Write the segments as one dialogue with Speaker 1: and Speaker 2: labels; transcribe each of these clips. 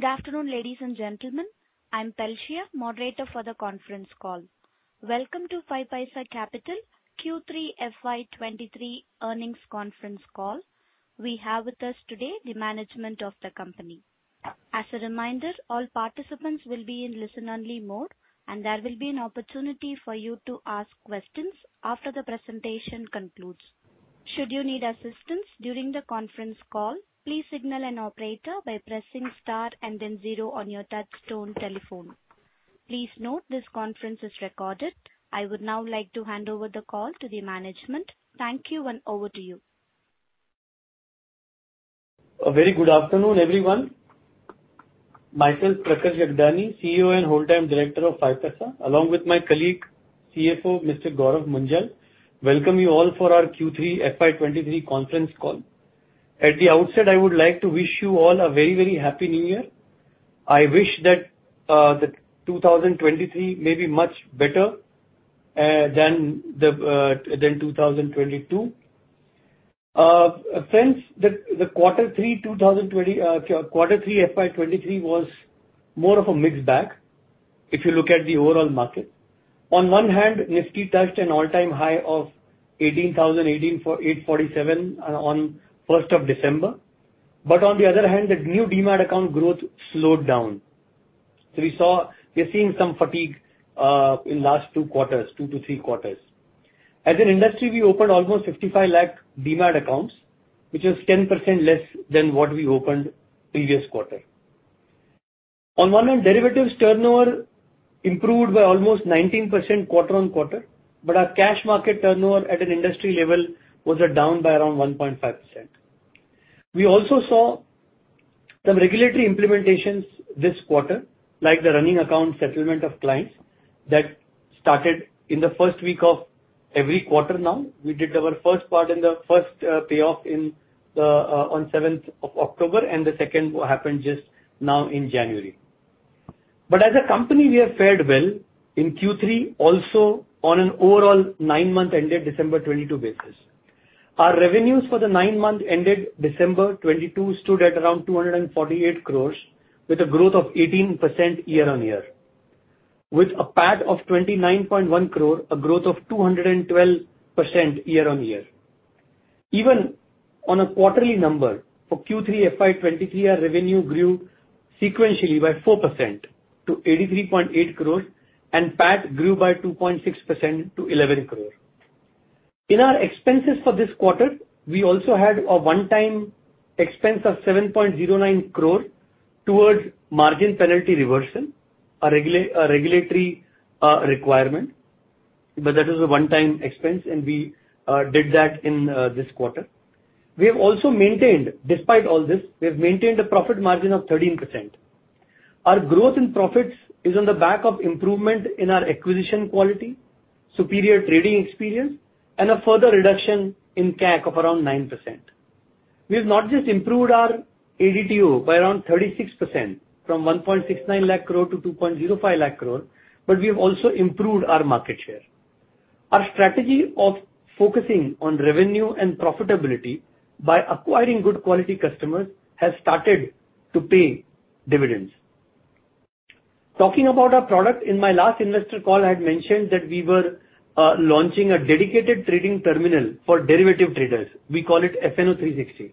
Speaker 1: Good afternoon, ladies and gentlemen. I'm Telshia, moderator for the conference call. Welcome to 5paisa Capital Q3 FY23 earnings conference call. We have with us today the management of the company. As a reminder, all participants will be in listen-only mode. There will be an opportunity for you to ask questions after the presentation concludes. Should you need assistance during the conference call, please signal an operator by pressing Star and then zero on your touchtone telephone. Please note this conference is recorded. I would now like to hand over the call to the management. Thank you. Over to you.
Speaker 2: A very good afternoon, everyone. Myself, Prakarsh Gagdani, CEO and Whole-Time Director of 5paisa, along with my colleague, CFO, Mr. Gourav Munjal, welcome you all for our Q3 FY23 conference call. At the outset, I would like to wish you all a very, very happy new year. I wish that 2023 may be much better than 2022. Since the Q3 FY23 was more of a mixed bag, if you look at the overall market. On one hand, Nifty touched an all-time high of 18,847 on 1st of December. On the other hand, the new Demat account growth slowed down. We are seeing some fatigue in last two quarters, 2-3 quarters. As an industry, we opened almost 55 lakh Demat accounts, which is 10% less than what we opened previous quarter. On one hand, derivatives turnover improved by almost 19% quarter-on-quarter, but our cash market turnover at an industry level was at down by around 1.5%. We also saw some regulatory implementations this quarter, like the running account settlement of clients that started in the first week of every quarter now. We did our first part in the first payoff in on 7th of October, and the second happened just now in January. As a company, we have fared well in Q3 also on an overall 9-month ended December 2022 basis. Our revenues for the 9-month ended December 2022 stood at around 248 crore with a growth of 18% year-on-year, with a PAT of 29.1 crore, a growth of 212% year-on-year. Even on a quarterly number for Q3 FY23, our revenue grew sequentially by 4% to 83.8 crore and PAT grew by 2.6% to 11 crore. In our expenses for this quarter, we also had a one-time expense of 7.09 crore towards margin penalty reversion, a regulatory requirement, but that is a one-time expense and we did that in this quarter. We have also maintained, despite all this, we have maintained a profit margin of 13%. Our growth in profits is on the back of improvement in our acquisition quality, superior trading experience and a further reduction in CAC of around 9%. We have not just improved our ADTO by around 36% from 1.69 lakh crore to 2.05 lakh crore, but we have also improved our market share. Our strategy of focusing on revenue and profitability by acquiring good quality customers has started to pay dividends. Talking about our product, in my last investor call, I had mentioned that we were launching a dedicated trading terminal for derivative traders. We call it FnO 360.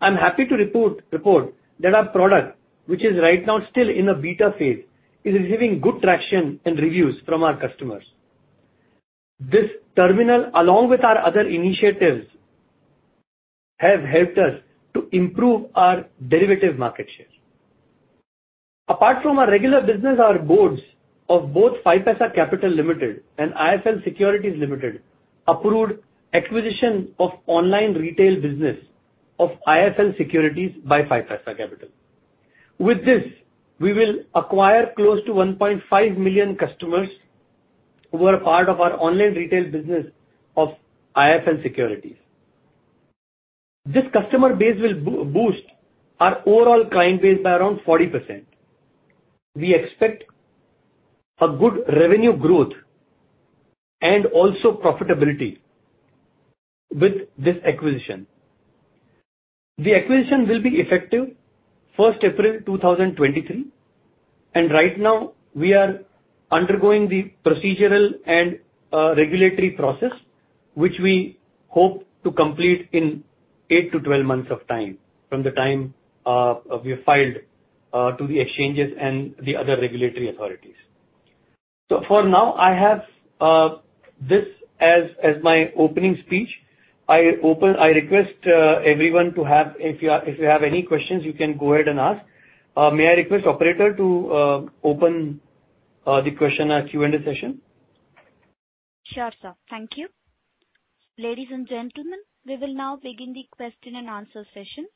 Speaker 2: I'm happy to report that our product, which is right now still in a beta phase, is receiving good traction and reviews from our customers. This terminal, along with our other initiatives, have helped us to improve our derivative market share. Apart from our regular business, our boards of both 5paisa Capital Limited and IIFL Securities Limited approved acquisition of online retail business of IIFL Securities by 5paisa Capital. With this, we will acquire close to 1.5 million customers who are part of our online retail business of IIFL Securities. This customer base will boost our overall client base by around 40%. We expect a good revenue growth and also profitability with this acquisition. The acquisition will be effective 1st April 2023. Right now we are undergoing the procedural and regulatory process, which we hope to complete in 8-12 months from the time we have filed to the exchanges and the other regulatory authorities. For now, I have this as my opening speech. I open... I request everyone if you have any questions, you can go ahead and ask. May I request operator to open the question Q&A session.
Speaker 1: Sure, sir. Thank you. Ladies and gentlemen, we will now begin the question and answer session.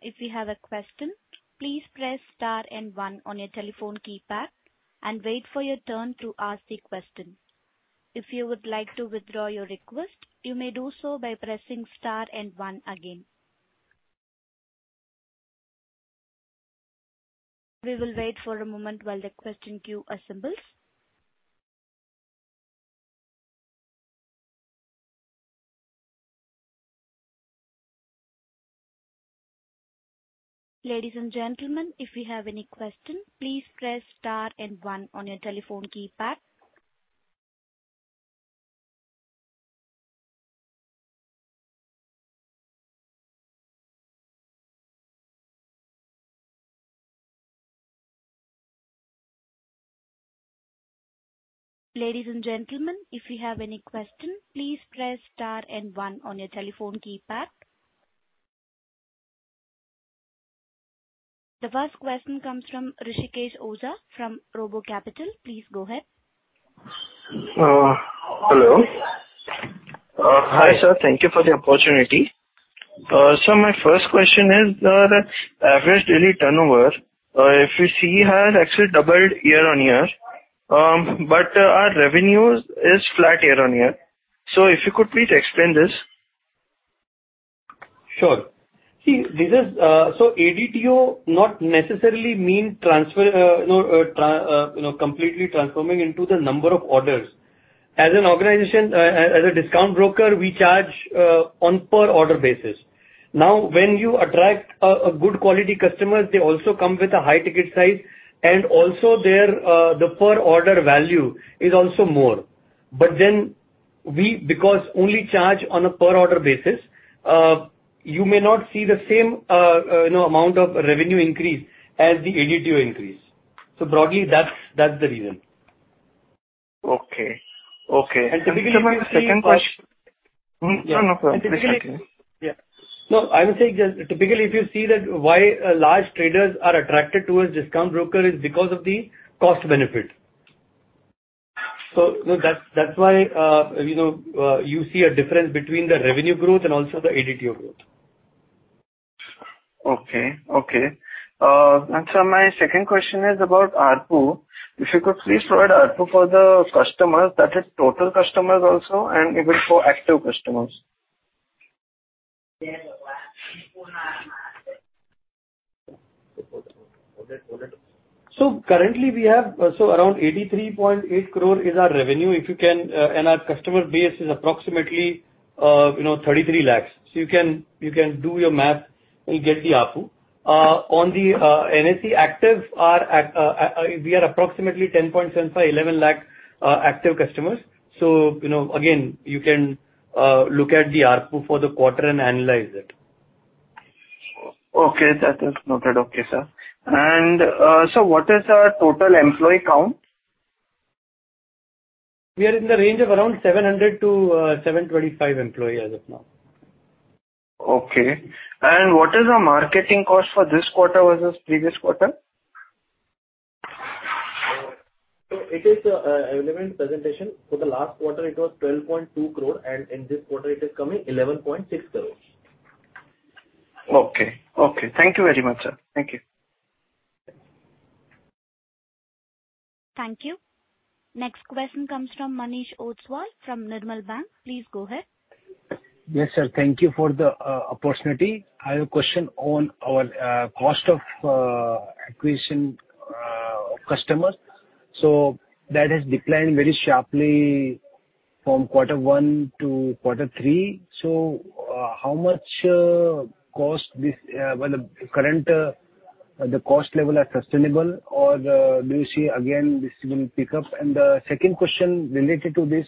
Speaker 1: If you have a question, please press Star and one on your telephone keypad and wait for your turn to ask the question. If you would like to withdraw your request, you may do so by pressing Star and one again. We will wait for a moment while the question queue assembles. Ladies and gentlemen, if you have any question, please press Star and one on your telephone keypad. Ladies and gentlemen, if you have any question, please press Star and one on your telephone keypad. The first question comes from Rishikesh Oza from RoboCapital. Please go ahead.
Speaker 3: Hello. Hi, sir. Thank you for the opportunity. My first question is, the average daily turnover, if we see has actually doubled year-on-year, but our revenues is flat year-on-year. If you could please explain this?
Speaker 2: Sure. ADTO not necessarily mean transfer, you know, completely transforming into the number of orders. As an organization, as a discount broker, we charge on per order basis. Now, when you attract a good quality customers, they also come with a high ticket size and also their, the per order value is also more. We because only charge on a per order basis, you may not see the same, you know, amount of revenue increase as the ADTO increase. Broadly, that's the reason.
Speaker 3: Okay. Okay.
Speaker 2: typically if you see-
Speaker 3: Sir, my second question. No.
Speaker 2: And typically-
Speaker 3: Please continue.
Speaker 2: No, I would say just typically if you see that why large traders are attracted towards discount broker is because of the cost benefit. That's why, you know, you see a difference between the revenue growth and also the ADTO growth.
Speaker 3: Okay. Okay. My second question is about ARPU. If you could please provide ARPU for the customers, that is total customers also and if it's for active customers.
Speaker 2: Currently we have, around 83.8 crore is our revenue. If you can, and our customer base is approximately, you know, 33 lakh. You can, you can do your math and get the ARPU. On the NSE active are, we are approximately 10.75-11 lakh active customers. You know, again, you can, look at the ARPU for the quarter and analyze it.
Speaker 3: Okay. That is noted. Okay, sir. What is our total employee count?
Speaker 2: We are in the range of around 700-725 employee as of now.
Speaker 3: Okay. What is our marketing cost for this quarter versus previous quarter?
Speaker 2: it is available in presentation. For the last quarter it was 12.2 crore, and in this quarter it is coming 11.6 crore.
Speaker 3: Okay. Okay. Thank you very much, sir. Thank you.
Speaker 1: Thank you. Next question comes from Manish Ostwal from Nirmal Bang. Please go ahead.
Speaker 4: Yes, sir. Thank You for the opportunity. I have a question on our cost of acquisition customers. That has declined very sharply from quarter one to quarter three. How much cost this well, current the cost level are sustainable or do you see again this will pick up? Second question related to this,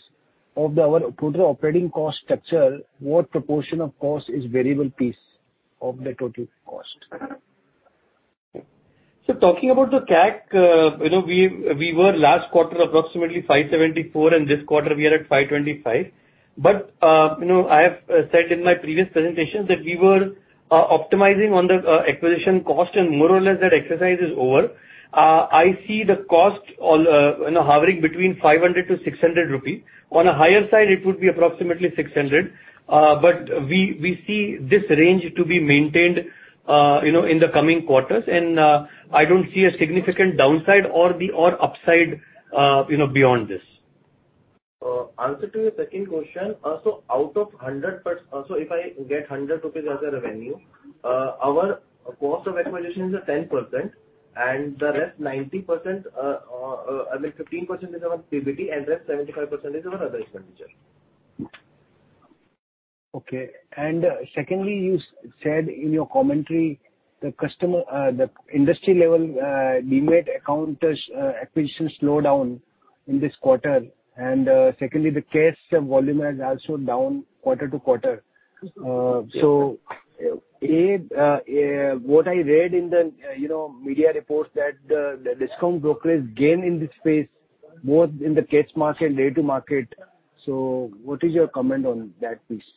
Speaker 4: of our total operating cost structure, what proportion of cost is variable piece of the total cost?
Speaker 2: Talking about the CAC, you know, we were last quarter approximately 574, and this quarter we are at 525. You know, I have said in my previous presentations that we were optimizing on the acquisition cost and more or less that exercise is over. I see the cost all, you know, hovering between 500-600 rupee. On a higher side, it would be approximately 600. We see this range to be maintained, you know, in the coming quarters. I don't see a significant downside or upside, you know, beyond this. Answer to your second question, out of 100 If I get 100 rupees as a revenue, our cost of acquisition is a 10% and the rest 90%, like 15% is our PBT and rest 75% is our other expenditure.
Speaker 4: Okay. Secondly, you said in your commentary the customer, the industry level, demat accounts acquisition slowed down in this quarter. Secondly, the case volume has also down quarter to quarter. What I read in the, you know, media reports that the discount brokers gain in this space, both in the cash market and day-to-market. What is your comment on that piece?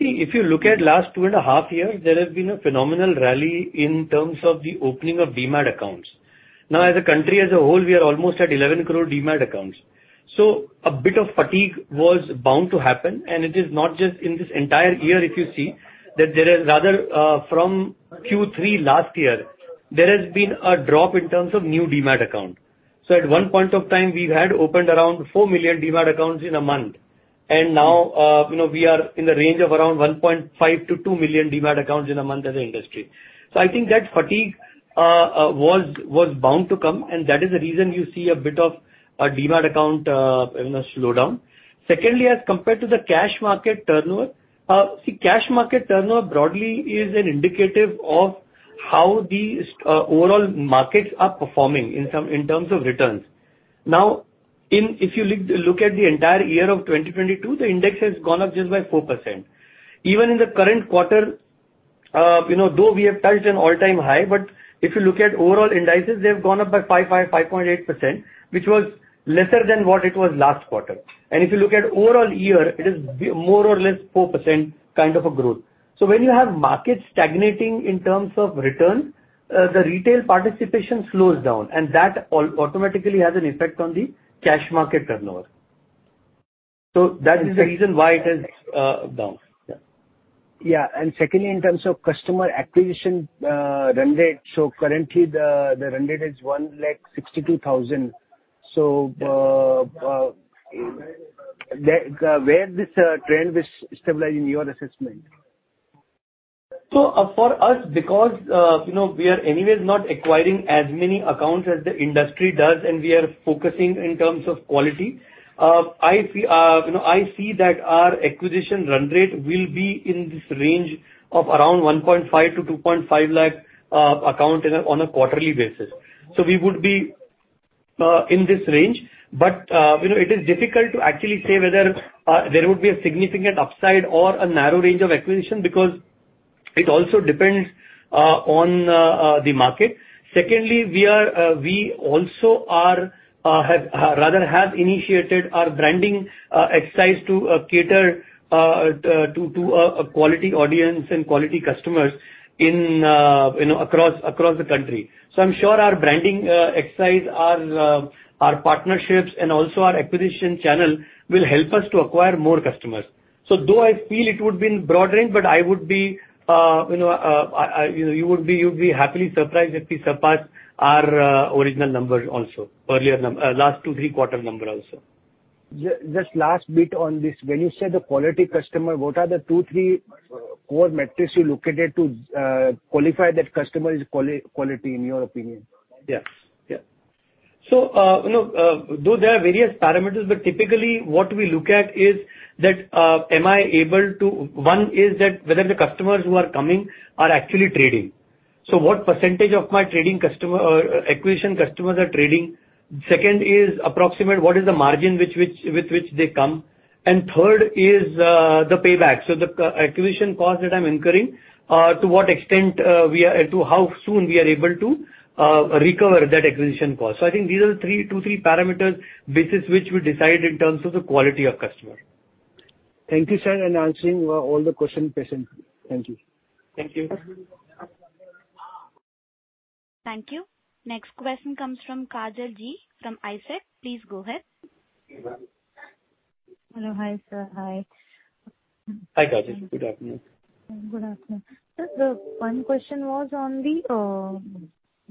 Speaker 2: If you look at last two and a half years, there has been a phenomenal rally in terms of the opening of demat accounts. Now, as a country, as a whole, we are almost at 11 crore demat accounts. A bit of fatigue was bound to happen, and it is not just in this entire year if you see, that there is rather, from Q3 last year, there has been a drop in terms of new demat account. At one point of time, we had opened around 4 million demat accounts in a month and now, you know, we are in the range of around 1.5-2 million demat accounts in a month as an industry. I think that fatigue was bound to come, that is the reason you see a bit of a Demat account, you know, slowdown. Secondly, as compared to the cash market turnover, see cash market turnover broadly is an indicative of how the overall markets are performing in some, in terms of returns. If you look at the entire year of 2022, the index has gone up just by 4%. Even in the current quarter, you know, though we have touched an all-time high, but if you look at overall indices, they've gone up by 5.8%, which was lesser than what it was last quarter. If you look at overall year, it is more or less 4% kind of a growth. When you have markets stagnating in terms of return, the retail participation slows down, and that automatically has an effect on the cash market turnover. That is the reason why it is down. Yeah.
Speaker 4: Yeah. Secondly, in terms of customer acquisition, run rate, currently the run rate is 162,000. Where this trend will stabilize in your assessment?
Speaker 2: For us, because, you know, we are anyways not acquiring as many accounts as the industry does and we are focusing in terms of quality, I see, you know, I see that our acquisition run rate will be in this range of around 1.5 lakh-2.5 lakh account on a quarterly basis. We would be in this range. You know, it is difficult to actually say whether there would be a significant upside or a narrow range of acquisition because it also depends on the market. Secondly, we are, we also are, have, rather have initiated our branding exercise to cater to a quality audience and quality customers in, you know, across the country. I'm sure our branding exercise, our partnerships and also our acquisition channel will help us to acquire more customers. Though I feel it would be in broad range, but I would be, you know, you'd be happily surprised if we surpass our original number also, earlier last two, three quarter number also.
Speaker 4: Just last bit on this. When you say the quality customer, what are the two, three core metrics you look at it to qualify that customer is quality in your opinion?
Speaker 2: Yes. Yeah. You know, though there are various parameters, but typically what we look at is that One is that whether the customers who are coming are actually trading. What % of my trading customer or acquisition customers are trading. Second is approximate what is the margin with which they come. Third is the payback. The acquisition cost that I'm incurring, to what extent, to how soon we are able to recover that acquisition cost. I think these are the three, two, three parameters basis which we decide in terms of the quality of customer.
Speaker 4: Thank you, sir. Answering all the question patiently. Thank you.
Speaker 2: Thank you.
Speaker 1: Thank you. Next question comes from Kajal Gandhi from ICICI. Please go ahead.
Speaker 5: Hello. Hi, sir. Hi.
Speaker 2: Hi, Kajal. Good afternoon.
Speaker 5: Good afternoon. Sir, the one question was on the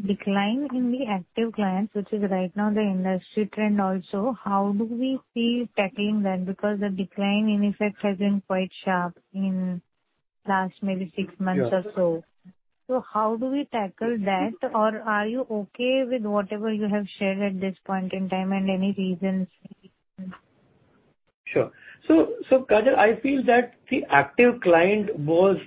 Speaker 5: decline in the active clients, which is right now the industry trend also. How do we see tackling that? The decline in effect has been quite sharp in last maybe six months or so.
Speaker 2: Yeah.
Speaker 5: How do we tackle that? Or are you okay with whatever you have shared at this point in time, and any reasons?
Speaker 2: Kajal, I feel that the active client was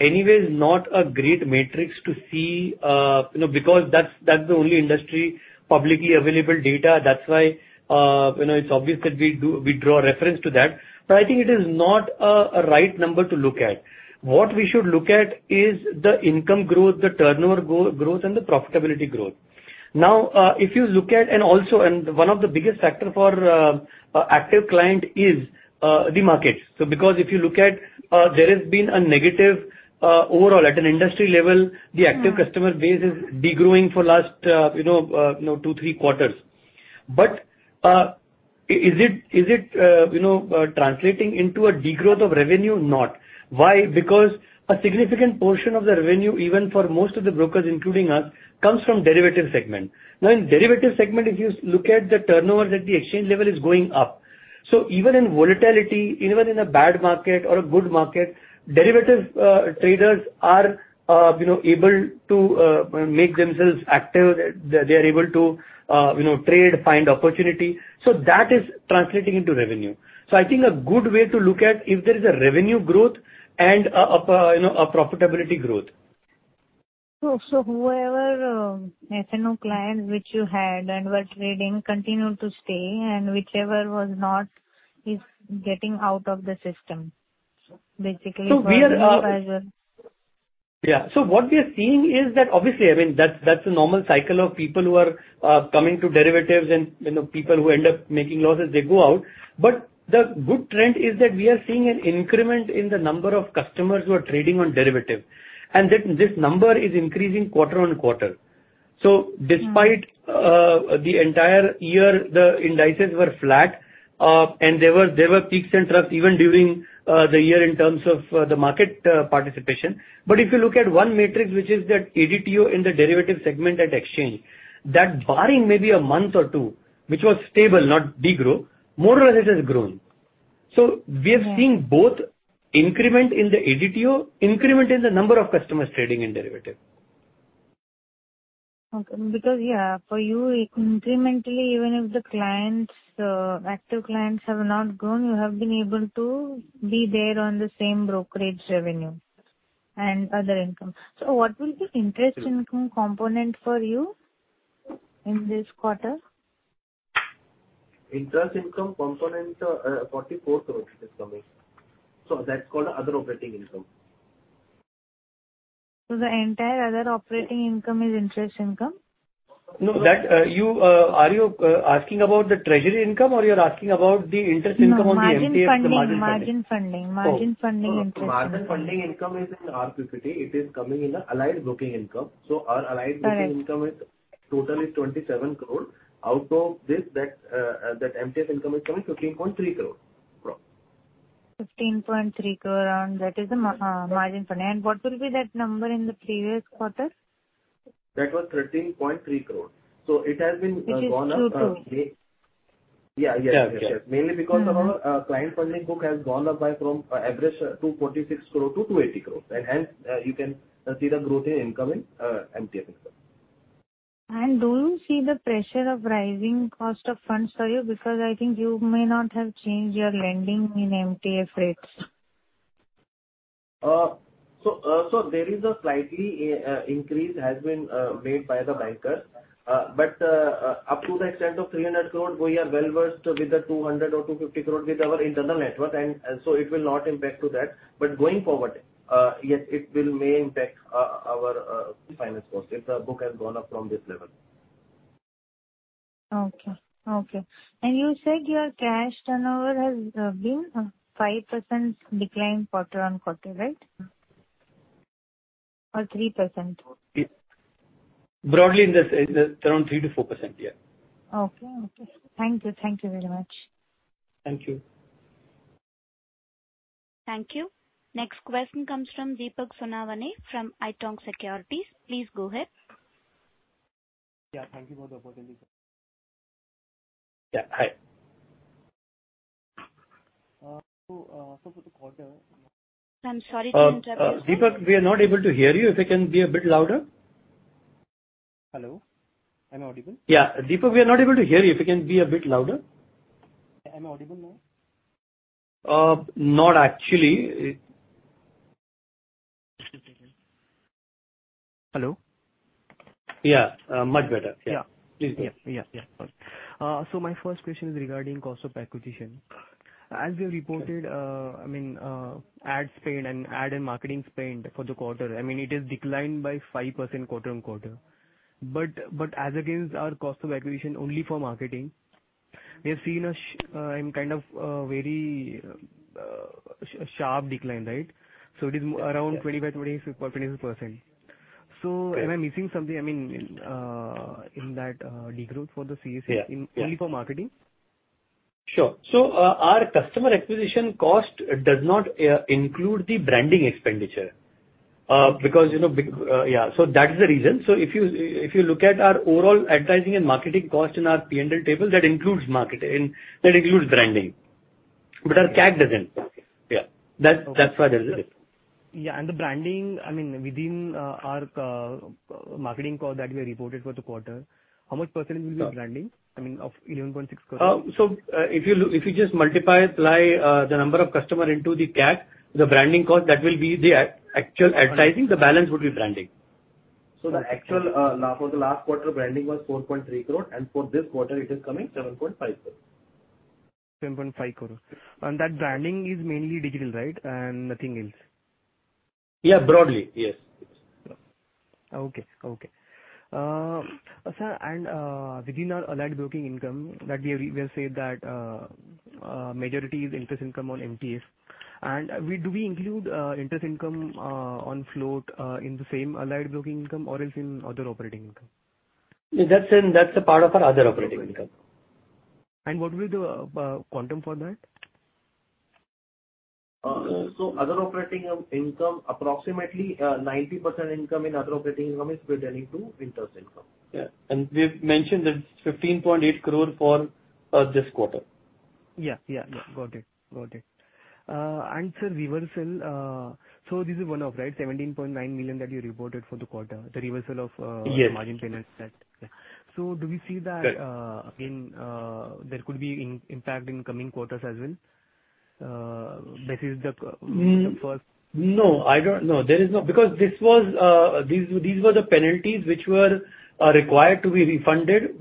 Speaker 2: anyways not a great matrix to see, you know, because that's the only industry publicly available data. It's obvious that we draw reference to that. I think it is not a right number to look at. What we should look at is the income growth, the turnover growth and the profitability growth. If you look at one of the biggest factor for a active client is the markets. Because if you look at, there has been a negative, overall at an industry level- The active customer base is degrowing for last, you know, two, three quarters. Is it, you know, translating into a degrowth of revenue? Not. Why? Because a significant portion of the revenue, even for most of the brokers, including us, comes from derivatives segment. In derivatives segment, if you look at the turnovers at the exchange level is going up. Even in volatility, even in a bad market or a good market, derivatives traders are, you know, able to make themselves active. They are able to, you know, trade, find opportunity. That is translating into revenue. I think a good way to look at if there is a revenue growth and of a, you know, a profitability growth.
Speaker 5: Whoever, F&O client which you had and was trading continued to stay and whichever was not is getting out of the system.
Speaker 2: So-
Speaker 5: Basically for you.
Speaker 2: We are. Yeah. What we are seeing is that obviously, I mean, that's a normal cycle of people who are coming to derivatives and, you know, people who end up making losses, they go out. The good trend is that we are seeing an increment in the number of customers who are trading on derivative. This number is increasing quarter on quarter. Despite the entire year, the indices were flat, and there were peaks and troughs even during the year in terms of the market participation. If you look at one matrix, which is that ADTO in the derivatives segment at exchange, that barring maybe a month or two, which was stable, not degrow, more or less it has grown. We are seeing both increment in the ADTO, increment in the number of customers trading in derivative.
Speaker 5: Okay. Yeah, for you incrementally, even if the clients, active clients have not grown, you have been able to be there on the same brokerage revenue and other income. What will be interest income component for you in this quarter?
Speaker 6: Interest income component, INR 44 crores it is coming. That's called other operating income.
Speaker 5: The entire other operating income is interest income?
Speaker 2: No, that, you, are you, asking about the treasury income, or you're asking about the interest income on the MTF?
Speaker 5: No, margin funding. Margin funding. Margin funding interest.
Speaker 6: Margin funding income is in our property. It is coming in the allied broking income. Our allied broking-
Speaker 5: All right.
Speaker 6: -income is totally INR 27 crore. Out of this, that MTF income is coming INR 15.3 crore.
Speaker 5: INR 15.3 crore, and that is the margin funding. What will be that number in the previous quarter?
Speaker 6: That was 13.3 crore. It has been gone up.
Speaker 5: It is INR 2 crore.
Speaker 6: Yeah, yes. Mainly because our client funding book has gone up by from average 246 crore-280 crore. Hence, you can see the growth in income in MTF income.
Speaker 5: Do you see the pressure of rising cost of funds for you? Because I think you may not have changed your lending in MTF rates.
Speaker 6: There is a slightly increase has been made by the banker. Up to the extent of 300 crore, we are well-versed with the 200 crore or 250 crore with our internal network, and so it will not impact to that. Going forward, yes, it will may impact our finance cost if the book has gone up from this level.
Speaker 5: Okay. Okay. You said your cash turnover has been 5% decline quarter-on-quarter, right? 3%?
Speaker 2: Broadly around 3%-4%, yeah.
Speaker 5: Okay. Thank you very much.
Speaker 2: Thank you.
Speaker 1: Thank you. Next question comes from Deepak Sonawane from Haitong Securities. Please go ahead.
Speaker 7: Thank you for the opportunity, sir.
Speaker 2: Hi.
Speaker 7: for the quarter-
Speaker 1: I'm sorry to interrupt you, sir.
Speaker 2: Deepak, we are not able to hear you. If you can be a bit louder.
Speaker 7: Hello, am I audible?
Speaker 2: Yeah. Deepak, we are not able to hear you. If you can be a bit louder.
Speaker 7: Am I audible now?
Speaker 2: Not actually.
Speaker 7: Just a second. Hello.
Speaker 2: Yeah, much better. Yeah.
Speaker 7: Yeah. Yeah. Yeah. My first question is regarding cost of acquisition. As you reported, I mean, ad spend and ad and marketing spend for the quarter, I mean, it has declined by 5% quarter-on-quarter. As against our cost of acquisition only for marketing, we have seen a sharp decline, right? It is around 25%-26%. Am I missing something, I mean, in that, decline for the CAC.
Speaker 2: Yeah.
Speaker 7: only for marketing?
Speaker 2: Sure. Our customer acquisition cost does not include the branding expenditure. you know, Yeah, that is the reason. If you, if you look at our overall advertising and marketing cost in our P&L table, that includes marketing, that includes branding. Our CAC doesn't. Yeah. That's why there is a dip.
Speaker 7: Yeah. The branding, I mean, within our marketing cost that we reported for the quarter, how much percentage will be branding? I mean, of 11.6 crore.
Speaker 6: If you just multiply, the number of customer into the CAC, the branding cost, that will be the actual advertising. The balance would be branding. The actual, for the last quarter, branding was 4.3 crore, and for this quarter, it is coming 7.5 crore.
Speaker 7: 7.5 crore. That branding is mainly digital, right? Nothing else.
Speaker 6: Yeah. Broadly, yes.
Speaker 7: Okay. Okay. sir, within our allied broking income that we have, we have said that majority is interest income on MTF. Do we include interest income on float in the same allied broking income or else in other operating income?
Speaker 6: That's in, that's a part of our other operating income.
Speaker 7: What will be the quantum for that?
Speaker 6: Other operating income, approximately, 90% income in other operating income is pertaining to interest income.
Speaker 7: Yeah.
Speaker 2: We've mentioned that 15.8 crore for this quarter.
Speaker 7: Yeah, got it. Sir, reversal, this is one-off, right? 17.9 million that you reported for the quarter, the reversal of...
Speaker 2: Yes.
Speaker 7: -margin finance debt. Do we see that, again, there could be impact in coming quarters as well? This is the first.
Speaker 2: These were the penalties which were required to be refunded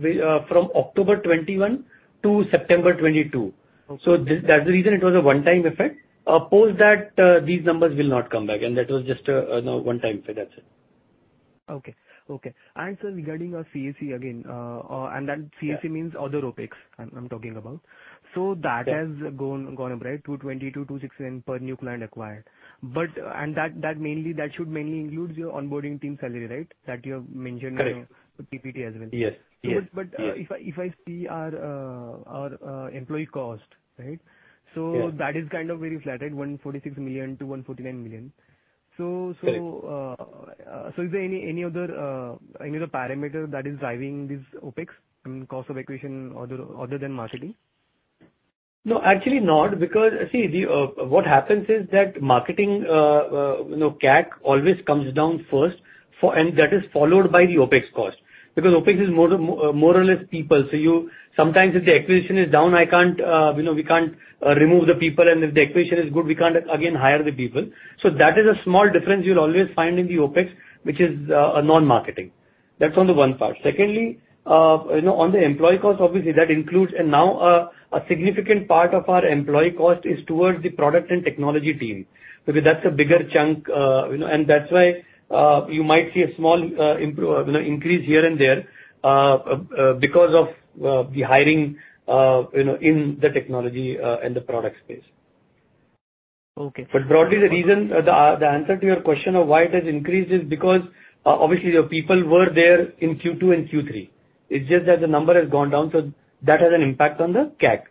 Speaker 2: from October 2021 to September 2022.
Speaker 7: Okay.
Speaker 2: That's the reason it was a one-time effect. Post that, these numbers will not come back. That was just, you know, one-time effect. That's it.
Speaker 7: Okay. Okay. Sir, regarding our CAC again, and that CAC means other OpEx I'm talking about? That has gone up, right? 220-269 per new client acquired. That mainly should mainly includes your onboarding team salary, right? That you have mentioned in-
Speaker 2: Correct.
Speaker 7: the PPT as well.
Speaker 2: Yes. Yes.
Speaker 7: If I see our employee cost, right?
Speaker 2: Yeah.
Speaker 7: That is kind of very flat, right? 140 million-149 million. Is there any other parameter that is driving this OpEx and cost of acquisition other than marketing?
Speaker 2: No, actually not. See, the what happens is that marketing, you know, CAC always comes down first for... and that is followed by the OpEx cost. OpEx is more or less people. You sometimes if the acquisition is down, I can't, you know, we can't remove the people. If the acquisition is good, we can't again hire the people. That is a small difference you'll always find in the OpEx, which is non-marketing. That's on the one part. Secondly, you know, on the employee cost, obviously that includes and now a significant part of our employee cost is towards the product and technology team. Because that's a bigger chunk, you know, and that's why, you might see a small, you know, increase here and there, because of the hiring, you know, in the technology and the product space.
Speaker 7: Okay.
Speaker 2: Broadly, the reason, the answer to your question of why it has increased is because obviously your people were there in Q2 and Q3. It's just that the number has gone down, so that has an impact on the CAC.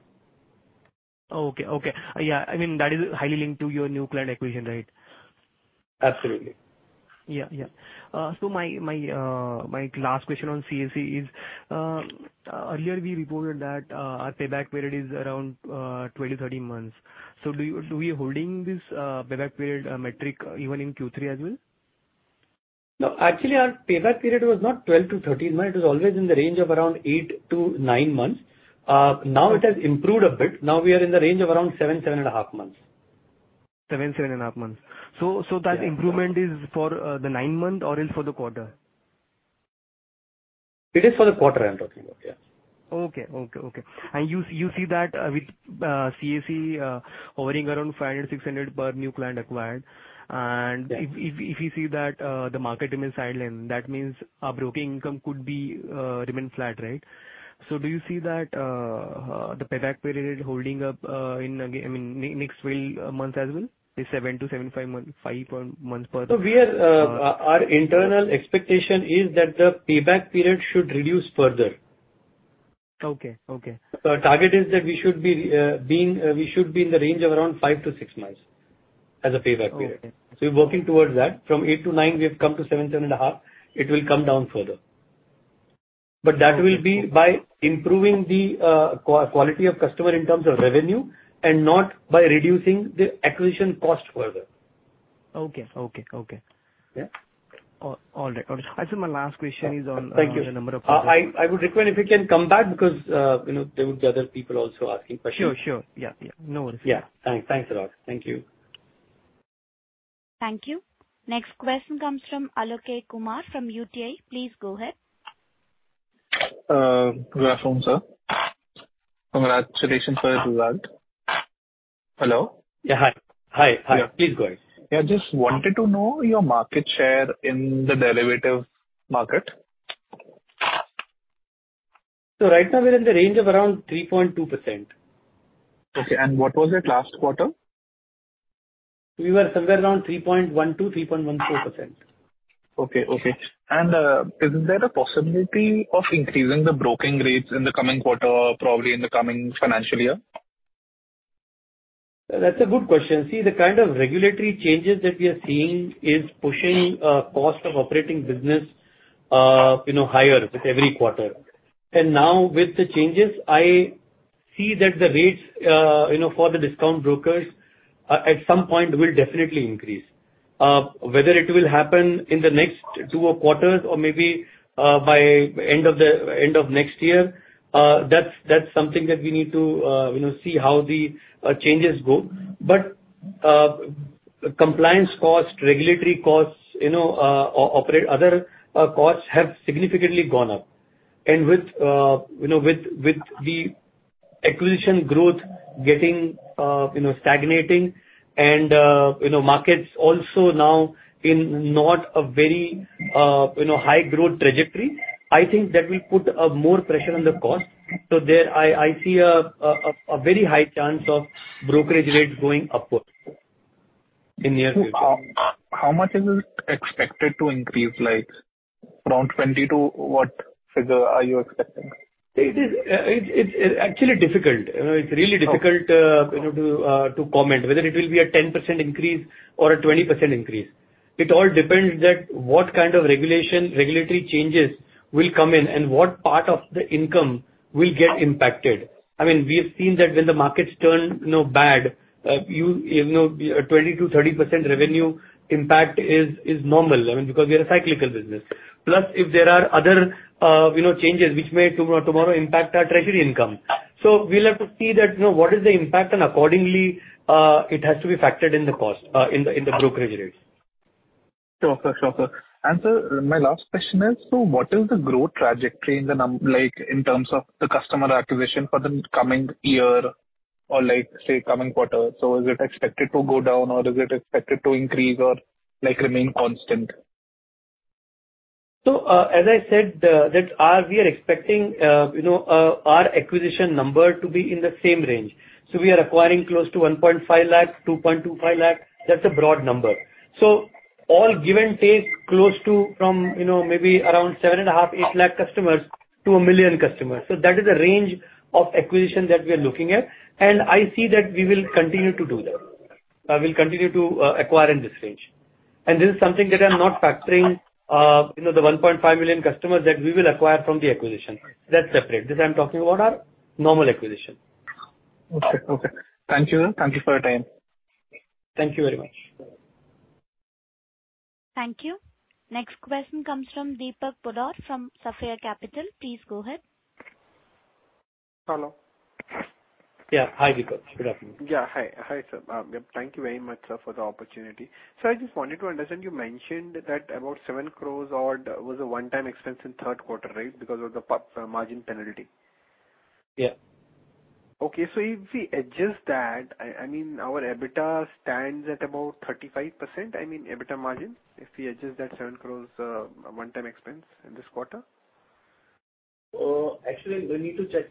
Speaker 7: Okay. Yeah. I mean, that is highly linked to your new client acquisition, right?
Speaker 2: Absolutely.
Speaker 7: Yeah. My last question on CAC is, earlier we reported that our payback period is around 12-13 months. So we are holding this payback period metric even in Q3 as well?
Speaker 2: No. Actually, our payback period was not 12-13 months. It was always in the range of around 8-9 months. Now it has improved a bit. Now we are in the range of around seven and a half months.
Speaker 7: Seven and a half months.
Speaker 2: Yeah.
Speaker 7: That improvement is for the nine months or is for the quarter?
Speaker 2: It is for the quarter I'm talking about, yeah.
Speaker 7: Okay. Okay. Okay. You see that, with CAC hovering around 500-600 per new client acquired.
Speaker 2: Yeah.
Speaker 7: If you see that the market remains silent, that means our broking income could be remain flat, right? Do you see that the payback period holding up in, again, I mean, next 12 months as well? The seven to 7.5 month, 5.5 months per-.
Speaker 2: Our internal expectation is that the payback period should reduce further.
Speaker 7: Okay. Okay.
Speaker 2: Our target is that we should be in the range of around five to six months as a payback period.
Speaker 7: Okay.
Speaker 2: We're working towards that. From 8-9, we have come to 7.5. It will come down further. That will be by improving the quality of customer in terms of revenue and not by reducing the acquisition cost further.
Speaker 7: Okay. Okay. Okay.
Speaker 2: Yeah.
Speaker 7: All right. Actually, my last question is on-
Speaker 2: Thank you.
Speaker 7: the number of
Speaker 2: I would request if you can come back because, you know, there would be other people also asking questions.
Speaker 7: Sure, sure. Yeah, yeah. No worries.
Speaker 2: Yeah. Thanks. Thanks a lot. Thank you.
Speaker 1: Thank you. Next question comes from Alok Kumar from UTI. Please go ahead.
Speaker 8: Good afternoon, sir. Congratulations for the result. Hello?
Speaker 2: Yeah, hi. Hi. Hi.
Speaker 8: Yeah.
Speaker 2: Please go ahead.
Speaker 8: Yeah, just wanted to know your market share in the derivative market.
Speaker 2: right now we're in the range of around 3.2%.
Speaker 8: Okay. What was it last quarter?
Speaker 2: We were somewhere around 3.12%-3.14%.
Speaker 8: Okay, okay. Is there a possibility of increasing the broking rates in the coming quarter, probably in the coming financial year?
Speaker 2: That's a good question. See, the kind of regulatory changes that we are seeing is pushing cost of operating business, you know, higher with every quarter. Now with the changes, I see that the rates, you know, for the discount brokers, at some point will definitely increase. Whether it will happen in the next two quarters or maybe by end of next year, that's something that we need to, you know, see how the changes go. Compliance costs, regulatory costs, you know, operate, other costs have significantly gone up. With, you know, with the acquisition growth getting, you know, stagnating and, you know, markets also now in not a very, you know, high growth trajectory, I think that will put more pressure on the cost. There I see a very high chance of brokerage rates going upwards in a near future.
Speaker 8: How much is it expected to increase? Like from 20 to what figure are you expecting?
Speaker 2: It is, it's actually difficult. You know, it's really difficult-
Speaker 8: Okay
Speaker 2: you know, to comment. Whether it will be a 10% increase or a 20% increase. It all depends that what kind of regulation, regulatory changes will come in and what part of the income will get impacted. I mean, we have seen that when the markets turn, you know, bad, you know, 20%-30% revenue impact is normal. I mean, because we are a cyclical business. If there are other, you know, changes which may tomorrow impact our treasury income. We'll have to see that, you know, what is the impact and accordingly, it has to be factored in the cost, in the brokerage rates.
Speaker 8: Sure, sir. Sure, sir. Sir, my last question is, what is the growth trajectory in like in terms of the customer acquisition for the coming year or like, say, coming quarter? Is it expected to go down or is it expected to increase or like remain constant?
Speaker 2: As I said, that our... we are expecting, you know, our acquisition number to be in the same range. We are acquiring close to 1.5 lakh, 2.25 lakh. That's a broad number. All give and take, close to from, you know, maybe around 7.5-8 lakh customers to 1 million customers. That is the range of acquisition that we are looking at, and I see that we will continue to do that. We'll continue to acquire in this range. This is something that I'm not factoring, you know, the 1.5 million customers that we will acquire from the acquisition. That's separate. This I'm talking about our normal acquisition.
Speaker 8: Okay. Okay. Thank you. Thank you for your time.
Speaker 2: Thank you very much.
Speaker 1: Thank you. Next question comes from Deepak Poddar from Sapphire Capital. Please go ahead.
Speaker 9: Hello.
Speaker 2: Yeah. Hi, Deepak. Good afternoon.
Speaker 9: Yeah. Hi. Hi, sir. Thank you very much, sir, for the opportunity. I just wanted to understand, you mentioned that about 7 crore was a one-time expense in third quarter, right? Because of the margin penalty.
Speaker 2: Yeah.
Speaker 9: If we adjust that, I mean, our EBITDA stands at about 35%, I mean, EBITDA margin, if we adjust that 7 crores, one-time expense in this quarter.
Speaker 2: Actually, we need to check.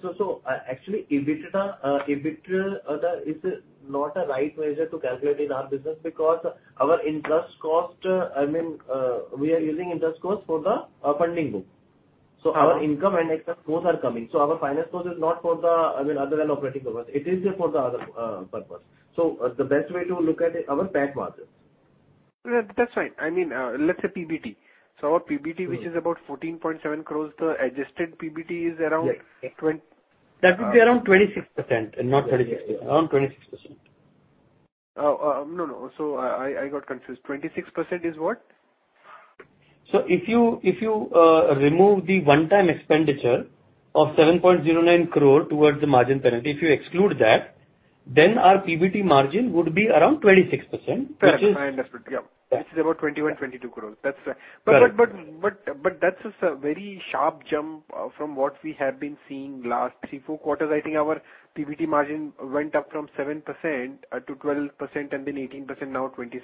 Speaker 2: Actually, EBITDA, EBIT, that is not a right measure to calculate in our business because our interest cost, I mean, we are using interest cost for the funding group. Our income and expense both are coming. Our finance cost is not for the, I mean, other than operating purpose. It is there for the other purpose. The best way to look at it, our PAT margins.
Speaker 9: Yeah, that's fine. I mean, let's say PBT. Our PBT, which is about 14.7 crores, the adjusted PBT is around-
Speaker 2: Yes.
Speaker 9: -twen-
Speaker 2: That would be around 26% and not 26. Around 26%.
Speaker 9: no. I got confused. 26% is what?
Speaker 2: If you remove the one-time expenditure of 7.09 crore towards the margin penalty, if you exclude that, then our PBT margin would be around 26%.
Speaker 9: Fair. I understood. Yeah.
Speaker 2: Yeah.
Speaker 9: Which is about 21, 22 crores. That's right.
Speaker 2: Right.
Speaker 9: That's a very sharp jump, from what we have been seeing last three, four quarters. I think our PBT margin went up from 7%-12% and then 18%, now 26%.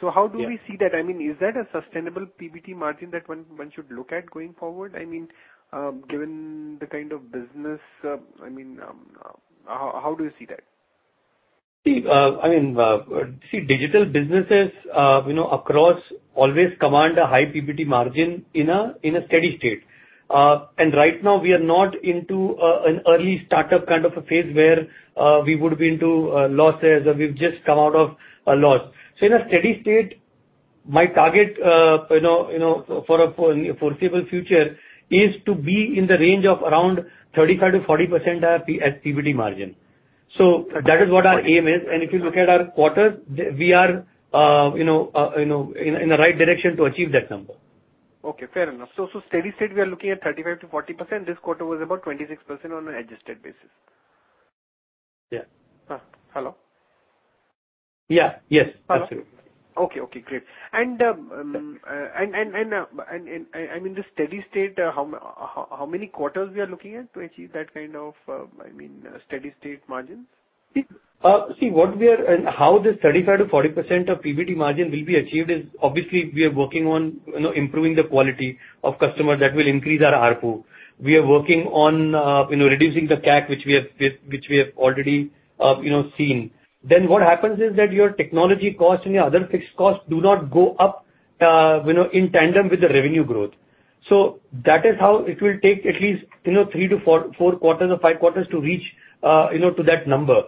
Speaker 2: Yeah.
Speaker 9: How do we see that? I mean, is that a sustainable PBT margin that one should look at going forward? I mean, given the kind of business, I mean, how do you see that?
Speaker 2: See, I mean, see digital businesses, you know, across always command a high PBT margin in a steady state. Right now we are not into an early startup kind of a phase where we would be into losses. We've just come out of a loss. In a steady state, my target, you know, for a foreseeable future is to be in the range of around 35%-40% at PBT margin. That is what our aim is. If you look at our quarter, we are, you know, in the right direction to achieve that number.
Speaker 9: Okay. Fair enough. steady state, we are looking at 35%-40%. This quarter was about 26% on an adjusted basis.
Speaker 2: Yeah.
Speaker 9: Hello?
Speaker 2: Yeah. Yes.
Speaker 9: Hello?
Speaker 2: Absolutely.
Speaker 9: Okay. Okay. Great. I mean, this steady state, how many quarters we are looking at to achieve that kind of, I mean, steady state margins?
Speaker 2: See, what we are and how this 35%-40% of PBT margin will be achieved is obviously we are working on, you know, improving the quality of customers that will increase our ARPU. We are working on, you know, reducing the CAC, which we have already, you know, seen. What happens is that your technology cost and your other fixed costs do not go up, you know, in tandem with the revenue growth. That is how it will take at least, you know, 3-4 quarters or five quarters to reach, you know, to that number.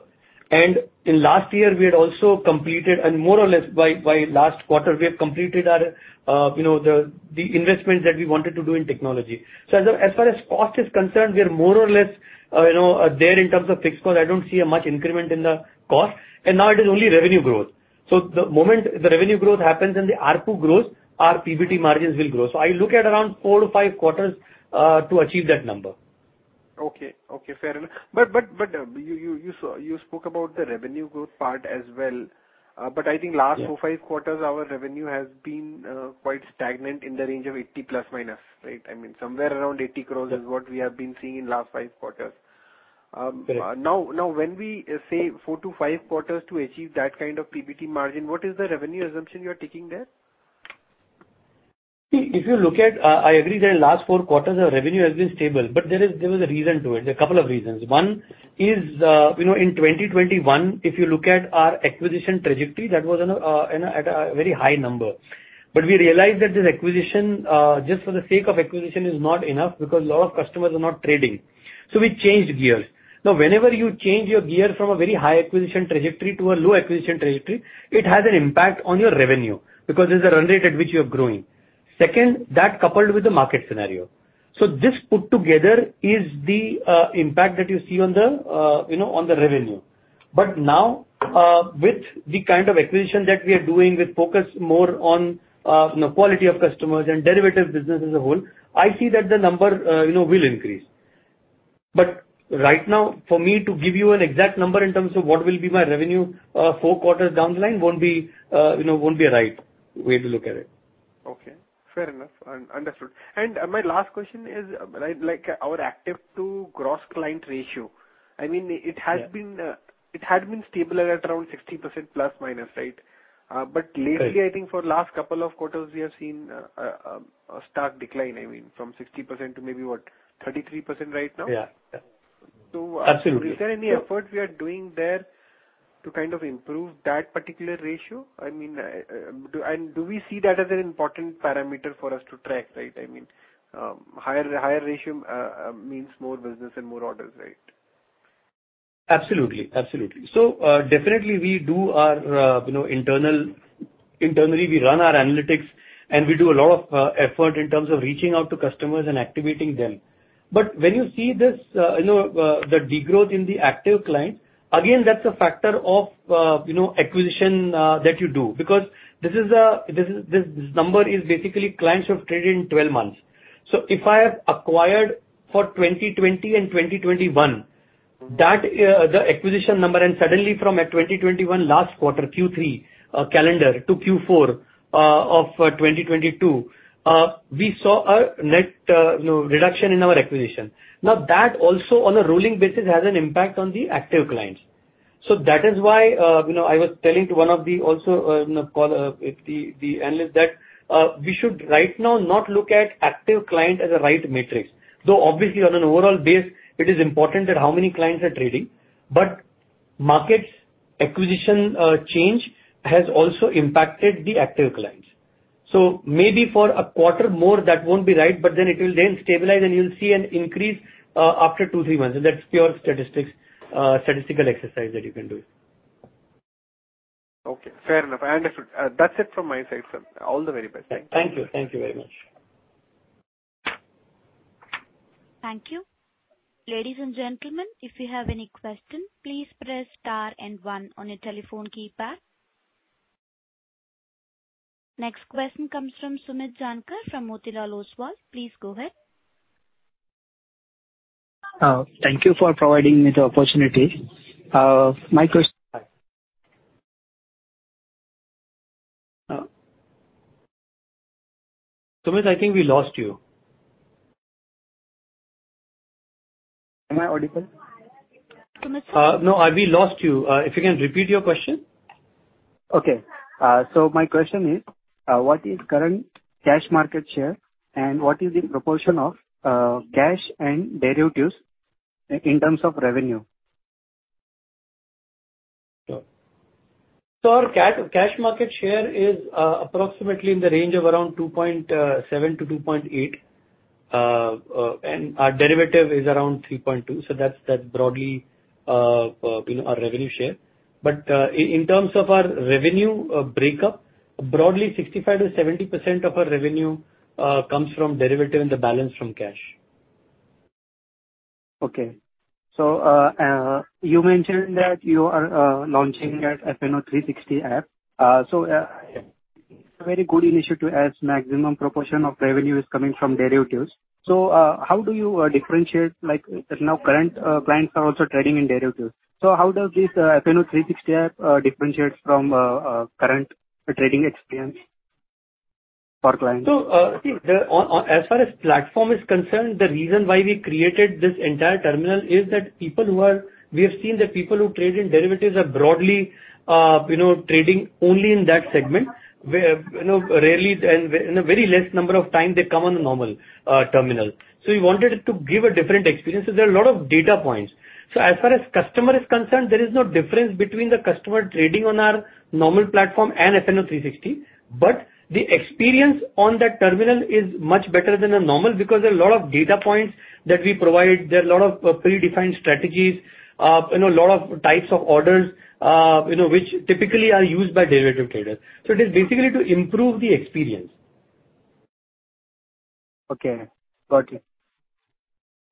Speaker 2: In last year, we had also completed and more or less by last quarter, we have completed our, you know, the investment that we wanted to do in technology. As far as cost is concerned, we are more or less, you know, there in terms of fixed cost. I don't see a much increment in the cost. Now it is only revenue growth. The moment the revenue growth happens and the ARPU grows, our PBT margins will grow. I look at around four to five quarters to achieve that number.
Speaker 9: Okay. Fair enough. You spoke about the revenue growth part as well. I think-
Speaker 2: Yeah.
Speaker 9: last four, five quarters, our revenue has been quite stagnant in the range of 80 plus minus, right? I mean, somewhere around 80 crores is what we have been seeing in last five quarters.
Speaker 2: Right.
Speaker 9: Now when we say 4-5 quarters to achieve that kind of PBT margin, what is the revenue assumption you're taking there?
Speaker 2: See, if you look at, I agree that last four quarters our revenue has been stable, there is a reason to it. There are a couple of reasons. One is, you know, in 2021, if you look at our acquisition trajectory, that was on a, on a, at a very high number. We realized that this acquisition, just for the sake of acquisition is not enough because a lot of customers are not trading. We changed gears. Whenever you change your gear from a very high acquisition trajectory to a low acquisition trajectory, it has an impact on your revenue because there's a run rate at which you're growing. Second, that coupled with the market scenario. This put together is the impact that you see on the, you know, on the revenue. Now, with the kind of acquisition that we are doing, we focus more on, you know, quality of customers and derivative business as a whole. I see that the number, you know, will increase. Right now, for me to give you an exact number in terms of what will be my revenue, four quarters down the line won't be, you know, won't be a right way to look at it.
Speaker 9: Okay. Fair enough. Un-understood. My last question is, right, like our active to gross client ratio, I mean-
Speaker 2: Yeah.
Speaker 9: It has been, it had been stable at around 60% plus minus, right? Lately-
Speaker 2: Right.
Speaker 9: I think for last couple of quarters, we have seen, a stark decline, I mean, from 60% to maybe what, 33% right now?
Speaker 2: Yeah. Yeah.
Speaker 9: So-
Speaker 2: Absolutely.
Speaker 9: Is there any effort we are doing there to kind of improve that particular ratio? I mean, do we see that as an important parameter for us to track, right? I mean, higher ratio means more business and more orders, right?
Speaker 2: Absolutely. Absolutely. Definitely we do our, you know, internally, we run our analytics, and we do a lot of effort in terms of reaching out to customers and activating them. When you see this, you know, the degrowth in the active client, again, that's a factor of, you know, acquisition that you do. This number is basically clients who have traded in 12 months. If I have acquired for 2020 and 2021, that the acquisition number, and suddenly from a 2021 last quarter, Q3, calendar to Q4, of 2022, we saw a net, you know, reduction in our acquisition. That also on a rolling basis has an impact on the active clients. That is why, you know, I was telling to one of the also, you know, call, the analyst that, we should right now not look at active client as a right matrix. Though obviously on an overall base it is important that how many clients are trading. Markets acquisition, change has also impacted the active clients. Maybe for a quarter more that won't be right, it will then stabilize, and you'll see an increase, after two, three months. That's pure statistics, statistical exercise that you can do.
Speaker 9: Okay. Fair enough. Understood. That's it from my side, sir. All the very best.
Speaker 2: Thank you. Thank you very much.
Speaker 1: Thank you. Ladies and gentlemen, if you have any question, please press star and one on your telephone keypad. Next question comes from Sunit Jankar from Motilal Oswal. Please go ahead.
Speaker 10: Thank you for providing me the opportunity.
Speaker 2: Sunit, I think we lost you.
Speaker 10: Am I audible?
Speaker 1: Sunit Sir?
Speaker 2: No, we lost you. If you can repeat your question.
Speaker 10: Okay. My question is, what is current cash market share, and what is the proportion of cash and derivatives in terms of revenue?
Speaker 2: Sure. Our cash market share is approximately in the range of around 2.7%-2.8%. And our derivative is around 3.2%, that's broadly, you know, our revenue share. But in terms of our revenue breakup, broadly 65%-70% of our revenue comes from derivative and the balance from cash.
Speaker 10: Okay. You mentioned that you are launching a FnO 360 app. Very good initiative to ask maximum proportion of revenue is coming from derivatives. How do you differentiate like that now current clients are also trading in derivatives? How does this FnO 360 app differentiates from current trading experience for clients?
Speaker 2: See, as far as platform is concerned, the reason why we created this entire terminal is that people who trade in derivatives are broadly, you know, trading only in that segment, where, you know, rarely and in a very less number of time they come on a normal terminal. We wanted to give a different experience, there are a lot of data points. As far as customer is concerned, there is no difference between the customer trading on our normal platform and FnO 360. The experience on that terminal is much better than a normal because there are a lot of data points that we provide. There are a lot of predefined strategies, you know, lot of types of orders, you know, which typically are used by derivative traders. It is basically to improve the experience.
Speaker 10: Okay. Got you.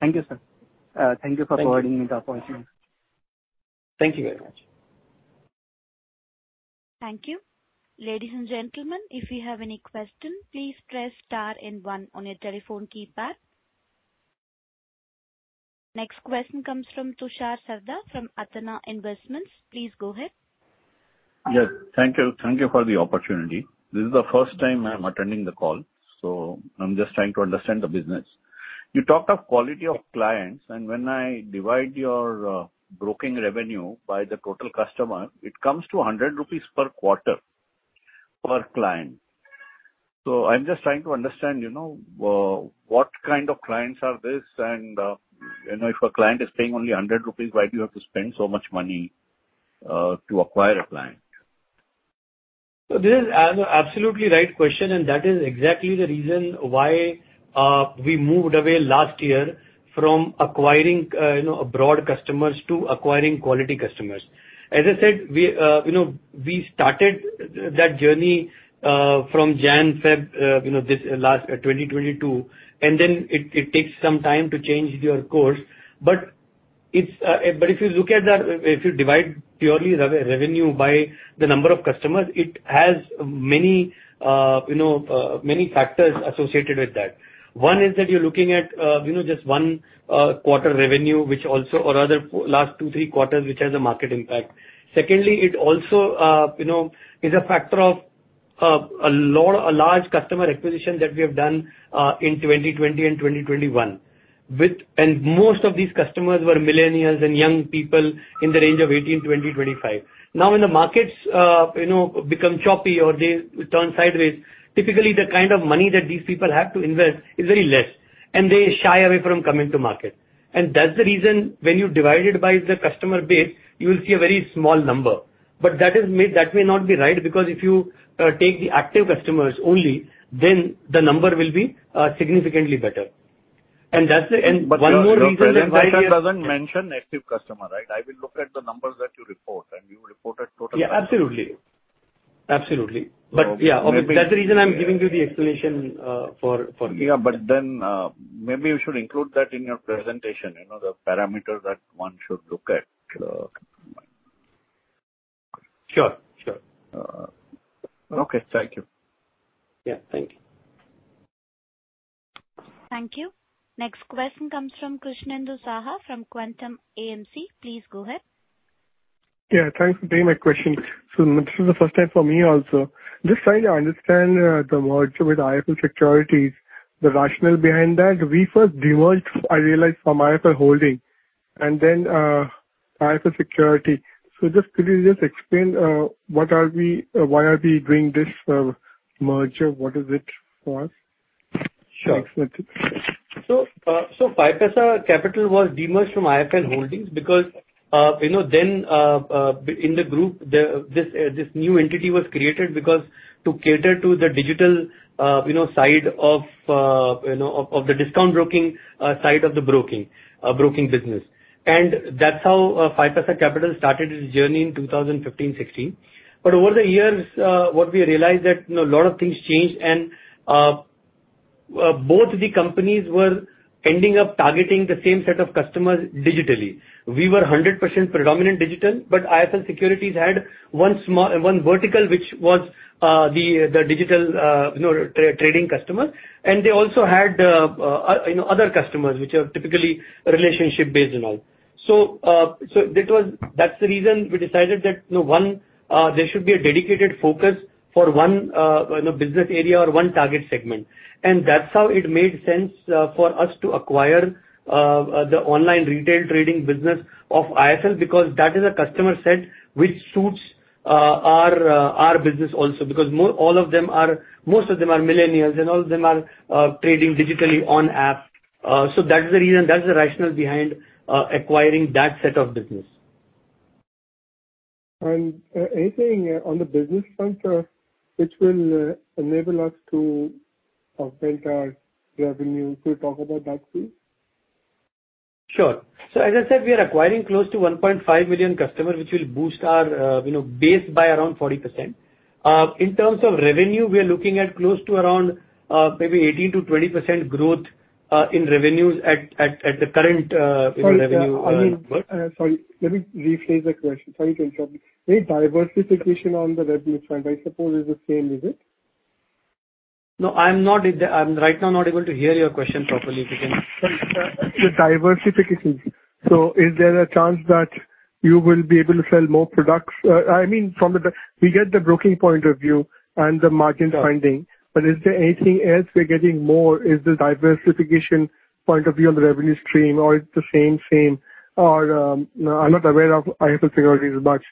Speaker 10: Thank you, sir. thank you for-
Speaker 2: Thank you.
Speaker 10: -providing me the opportunity.
Speaker 2: Thank you very much.
Speaker 1: Thank you. Ladies and gentlemen, if you have any question, please press star and one on your telephone keypad. Next question comes from Tushar Sarda from Athena Investments. Please go ahead.
Speaker 11: Yes. Thank you. Thank you for the opportunity. This is the first time I'm attending the call, so I'm just trying to understand the business. You talked of quality of clients, and when I divide your broking revenue by the total customer, it comes to 100 rupees per quarter per client. I'm just trying to understand, you know, what kind of clients are this, and, you know, if a client is paying only 100 rupees, why do you have to spend so much money to acquire a client?
Speaker 2: This is an absolutely right question. That is exactly the reason why we moved away last year from acquiring, you know, a broad customers to acquiring quality customers. As I said, we, you know, we started that journey from January, February, you know, this last 2022. It takes some time to change your course. It's, but if you look at that, if you divide purely revenue by the number of customers, it has many, you know, many factors associated with that. One is that you're looking at, you know, just one quarter revenue, which also or other 4 last two, three quarters, which has a market impact. Secondly, it also, you know, is a factor of a large customer acquisition that we have done in 2020 and 2021. Most of these customers were millennials and young people in the range of 18 to 25. Now, when the markets, you know, become choppy or they turn sideways, typically the kind of money that these people have to invest is very less, and they shy away from coming to market. That's the reason when you divide it by the customer base, you will see a very small number. That may not be right, because if you take the active customers only, then the number will be significantly better. That's the... One more reason.
Speaker 11: Your presentation doesn't mention active customer, right? I will look at the numbers that you report, and you reported total customers.
Speaker 2: Yeah, absolutely. Absolutely.
Speaker 11: Okay.
Speaker 2: Yeah. Okay. That's the reason I'm giving you the explanation for you.
Speaker 11: Yeah, maybe you should include that in your presentation, you know, the parameters that one should look at.
Speaker 2: Sure. Sure.
Speaker 11: okay. Thank you.
Speaker 2: Yeah. Thank you.
Speaker 1: Thank you. Next question comes from Krishnendu Saha from Quantum AMC. Please go ahead.
Speaker 12: Yeah, thanks for taking my question. This is the first time for me also. Just trying to understand the merge with IIFL Securities, the rationale behind that. We first demerged, I realize, from IIFL Holdings and then IIFL Security. Just could you just explain why are we doing this merger? What is it for?
Speaker 2: Sure.
Speaker 12: Excellent.
Speaker 2: 5paisa Capital was demerged from IIFL Holdings because, you know, then, in the group this new entity was created because to cater to the digital, you know, side of, you know, of the discount broking side of the broking business. That's how 5paisa Capital started its journey in 2015/16. Over the years, what we realized that, you know, a lot of things changed and both the companies were ending up targeting the same set of customers digitally. We were 100% predominant digital, but IIFL Securities had one vertical, which was the digital, you know, trading customer. They also had, you know, other customers, which are typically relationship based and all. That was... that's the reason we decided that, you know, one, there should be a dedicated focus for one, you know, business area or one target segment. That's how it made sense for us to acquire the online retail trading business of IIFL, because that is a customer set which suits our business also. Most of them are millennials and all of them are trading digitally on app. That's the reason, that's the rationale behind acquiring that set of business.
Speaker 12: Anything on the business front which will enable us to augment our revenue. Could you talk about that please?
Speaker 2: Sure. As I said, we are acquiring close to 1.5 million customers, which will boost our, you know, base by around 40%. In terms of revenue, we are looking at close to around, maybe 18%-20% growth, in revenues at the current, you know, revenue.
Speaker 12: Sorry. I mean, let me rephrase the question. Sorry to interrupt you. Any diversification on the revenue front? I suppose it's the same, is it?
Speaker 2: No, I'm right now not able to hear your question properly. If you can...
Speaker 12: Sorry. The diversification. Is there a chance that you will be able to sell more products? I mean, from the broking point of view and the margin funding.
Speaker 2: Yeah.
Speaker 12: Is there anything else we're getting more? Is there diversification point of view on the revenue stream or it's the same? I'm not aware of IIFL Securities much.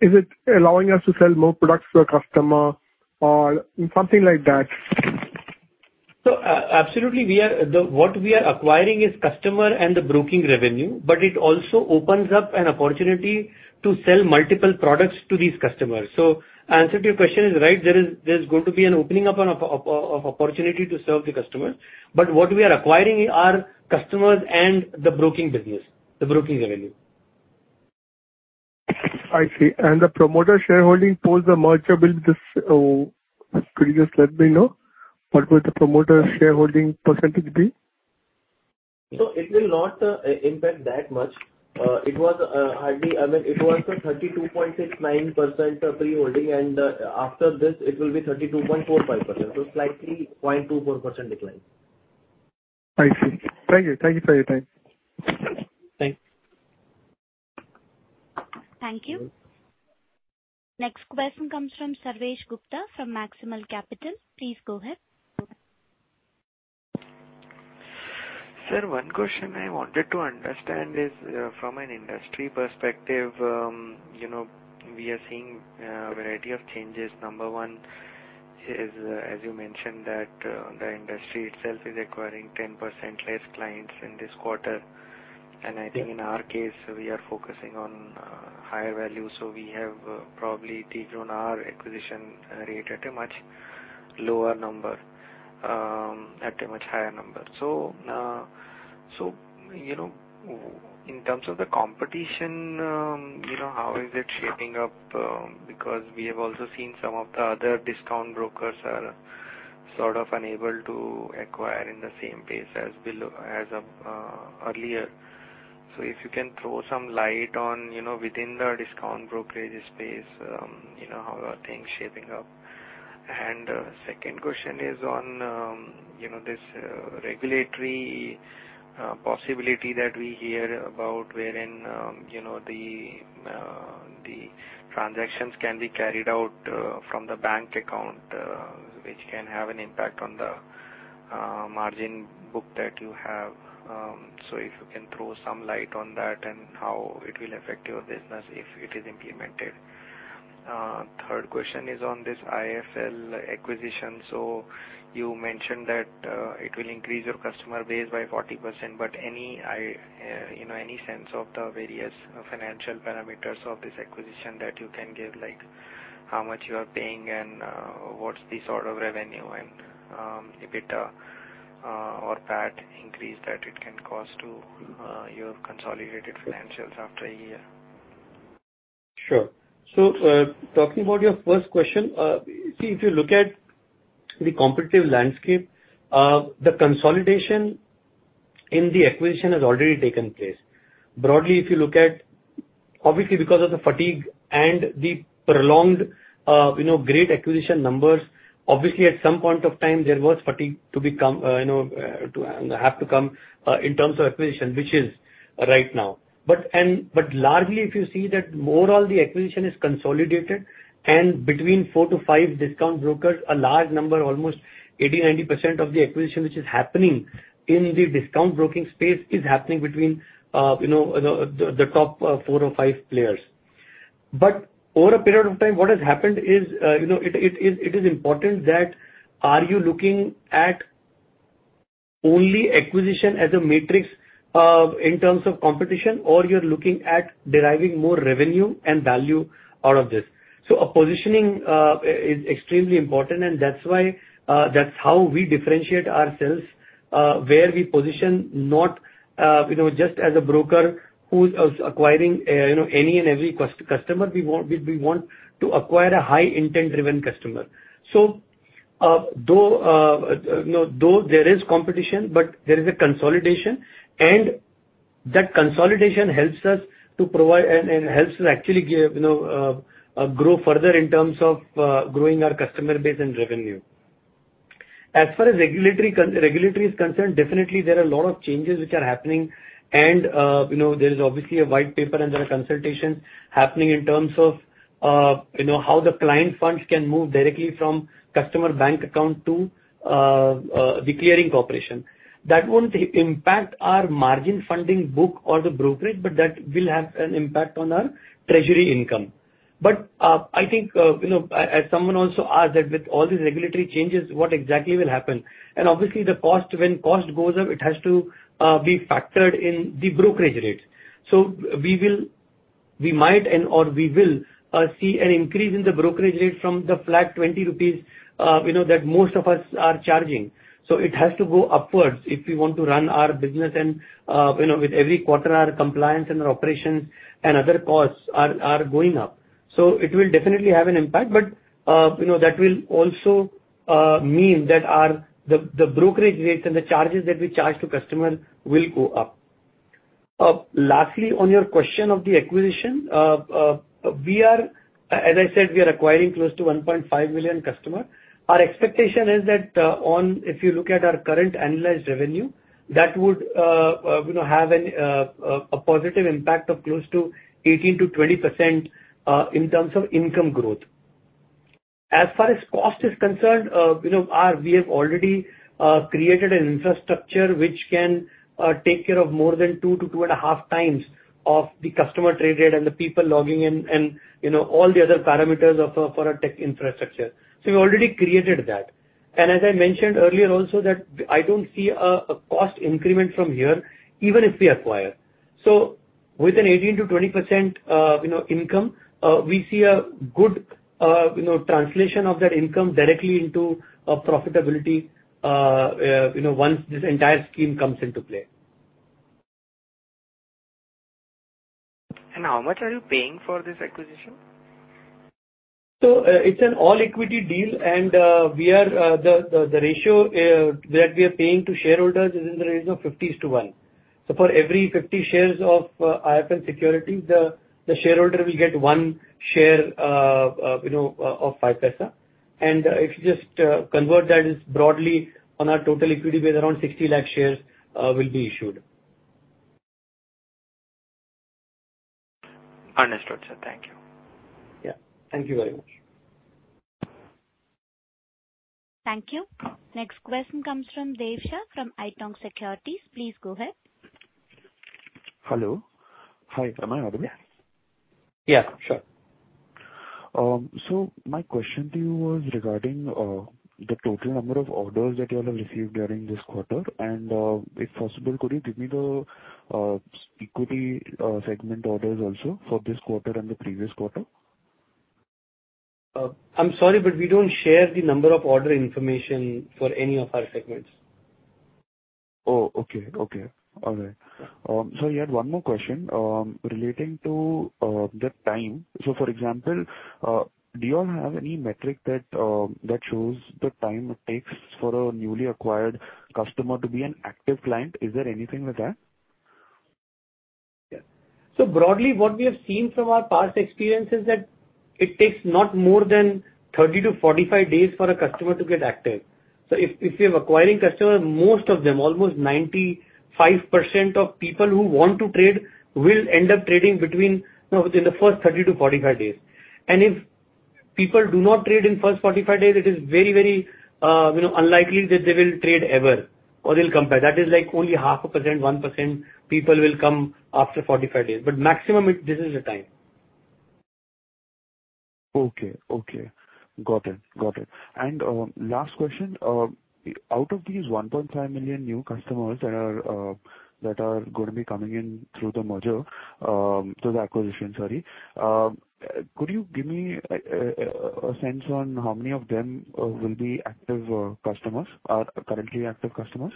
Speaker 12: Is it allowing us to sell more products to a customer or something like that?
Speaker 2: Absolutely. We are what we are acquiring is customer and the broking revenue, it also opens up an opportunity to sell multiple products to these customers. Answer to your question is, right, there's going to be an opening up of opportunity to serve the customers. What we are acquiring are customers and the broking business, the broking revenue.
Speaker 12: I see. The promoter shareholding post the merger. Could you just let me know what will the promoter shareholding percentage be?
Speaker 2: It will not impact that much. I mean, it was a 32.69% pre-holding. After this it will be 32.45%. Slightly 0.24% decline.
Speaker 12: I see. Thank you. Thank you for your time.
Speaker 2: Thank you.
Speaker 1: Thank you. Next question comes from Sarvesh Gupta from Maximal Capital. Please go ahead.
Speaker 13: Sir, one question I wanted to understand is, from an industry perspective, you know, we are seeing, variety of changes. Number one is, as you mentioned, that, the industry itself is acquiring 10% less clients in this quarter.
Speaker 2: Yeah.
Speaker 13: I think in our case, we are focusing on higher value. We have probably de-grown our acquisition rate at a much lower number, at a much higher number. You know, in terms of the competition, you know, how is it shaping up? Because we have also seen some of the other discount brokers are sort of unable to acquire in the same pace as earlier. If you can throw some light on, you know, within the discount brokerage space, you know, how are things shaping up? Second question is on this regulatory possibility that we hear about wherein the transactions can be carried out from the bank account, which can have an impact on the margin book that you have. If you can throw some light on that and how it will affect your business if it is implemented. Third question is on this IIFL acquisition. You mentioned that it will increase your customer base by 40%, but any sense of the various financial parameters of this acquisition that you can give, like how much you are paying and what's the sort of revenue and EBITDA or PAT increase that it can cause to your consolidated financials after a year?
Speaker 2: Sure. Talking about your first question, if you look at the competitive landscape, the consolidation in the acquisition has already taken place. Obviously, because of the fatigue and the prolonged, you know, great acquisition numbers, obviously at some point of time there was fatigue to become, you know, to have to come in terms of acquisition, which is right now. Largely if you see that more all the acquisition is consolidated and between 4-5 discount brokers, a large number, almost 80%-90% of the acquisition which is happening in the discount broking space is happening between, you know, the top four or five players. Over a period of time, what has happened is, you know, it is important that are you looking at only acquisition as a matrix of in terms of competition, or you're looking at deriving more revenue and value out of this. A positioning is extremely important, and that's why, that's how we differentiate ourselves, where we position not, you know, just as a broker who's acquiring, you know, any and every customer. We want to acquire a high intent-driven customer. Though, you know, though there is competition, but there is a consolidation and that consolidation helps us to provide and helps to actually give, you know, grow further in terms of, growing our customer base and revenue. As far as regulatory is concerned, definitely there are a lot of changes which are happening and, you know, there is obviously a white paper and there are consultations happening in terms of, you know, how the client funds can move directly from customer bank account to the clearing corporation. That won't impact our margin funding book or the brokerage, but that will have an impact on our treasury income. I think, you know, as someone also asked that with all these regulatory changes, what exactly will happen? Obviously the cost, when cost goes up, it has to be factored in the brokerage rates. We might and/or we will see an increase in the brokerage rate from the flat 20 rupees, you know, that most of us are charging. It has to go upwards if we want to run our business and, you know, with every quarter our compliance and our operations and other costs are going up. It will definitely have an impact, but, you know, that will also mean that the brokerage rates and the charges that we charge to customers will go up. Lastly, on your question of the acquisition, we are, as I said, we are acquiring close to 1.5 million customer. Our expectation is that on if you look at our current analyzed revenue, that would, you know, have a positive impact of close to 18%-20% in terms of income growth. As far as cost is concerned, you know, we have already created an infrastructure which can take care of more than 2-2.5x of the customer trade rate and the people logging in and, you know, all the other parameters of for a tech infrastructure. We already created that. As I mentioned earlier also that I don't see a cost increment from here even if we acquire. With an 18%-20%, you know, income, we see a good, you know, translation of that income directly into profitability, you know, once this entire scheme comes into play.
Speaker 13: How much are you paying for this acquisition?
Speaker 2: It's an all-equity deal and we are the ratio that we are paying to shareholders is in the range of 50-1. For every 50 shares of IIFL Securities, the shareholder will get one share, you know, of 5paisa. If you just convert that is broadly on our total equity base around 60 lakh shares will be issued.
Speaker 13: Understood, sir. Thank you.
Speaker 2: Yeah. Thank you very much.
Speaker 1: Thank you. Next question comes from Dev Shah from Haitong Securities. Please go ahead.
Speaker 14: Hello. Hi. Am I audible?
Speaker 2: Yeah, sure.
Speaker 14: My question to you was regarding the total number of orders that you all have received during this quarter. If possible, could you give me the equity segment orders also for this quarter and the previous quarter?
Speaker 2: I'm sorry, but we don't share the number of order information for any of our segments.
Speaker 14: Oh, okay. Okay. All right. Yeah, one more question, relating to the time. For example, do you all have any metric that shows the time it takes for a newly acquired customer to be an active client? Is there anything like that?
Speaker 2: Yeah. Broadly, what we have seen from our past experience is that it takes not more than 30-45 days for a customer to get active. If you're acquiring customers, most of them, almost 95% of people who want to trade, will end up trading between, you know, within the first 30-45 days. If people do not trade in first 45 days. It is very, you know, unlikely that they will trade ever, or they'll come back. That is like only 0.5%, 1% people will come after 45 days, but maximum it, this is the time.
Speaker 14: Okay. Okay. Got it. Got it. Last question. Out of these 1.5 million new customers that are gonna be coming in through the merger, through the acquisition, sorry. Could you give me a sense on how many of them will be active customers or currently active customers?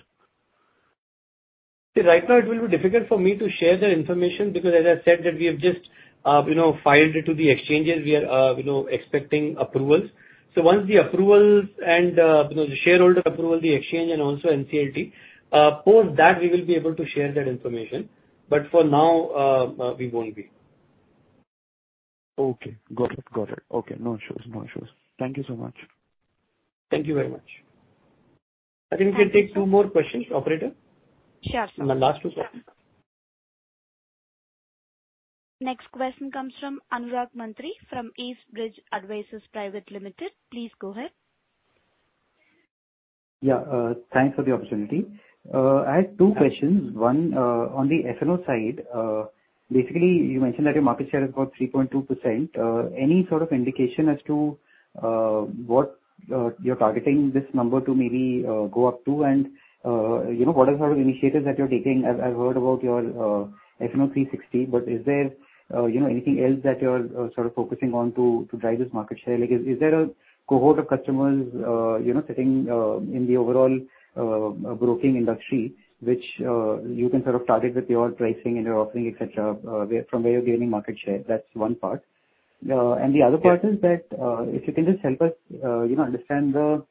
Speaker 2: See, right now it will be difficult for me to share that information because as I said that we have just, you know, filed it to the exchanges. We are, you know, expecting approvals. Once the approvals and, you know, the shareholder approval, the exchange, and also NCLT, post that, we will be able to share that information. For now, we won't be.
Speaker 14: Okay. Got it. Okay. No issues. Thank you so much.
Speaker 2: Thank you very much. I think we can take two more questions, operator.
Speaker 1: Sure.
Speaker 2: My last two questions.
Speaker 1: Next question comes from Anurag Mantri from East Bridge Advisors Private Limited. Please go ahead.
Speaker 15: Yeah. Thanks for the opportunity. I have two questions. One, on the F&O side, basically you mentioned that your market share is about 3.2%. Any sort of indication as to what you're targeting this number to maybe go up to? You know, what are the initiatives that you're taking? I've heard about your FnO 360, but is there, you know, anything else that you're sort of focusing on to drive this market share? Like is there a cohort of customers, you know, sitting in the overall broking industry, which you can sort of target with your pricing and your offering, et cetera, where, from where you're gaining market share? That's one part. The other part is that, if you can just help us, you know, understand the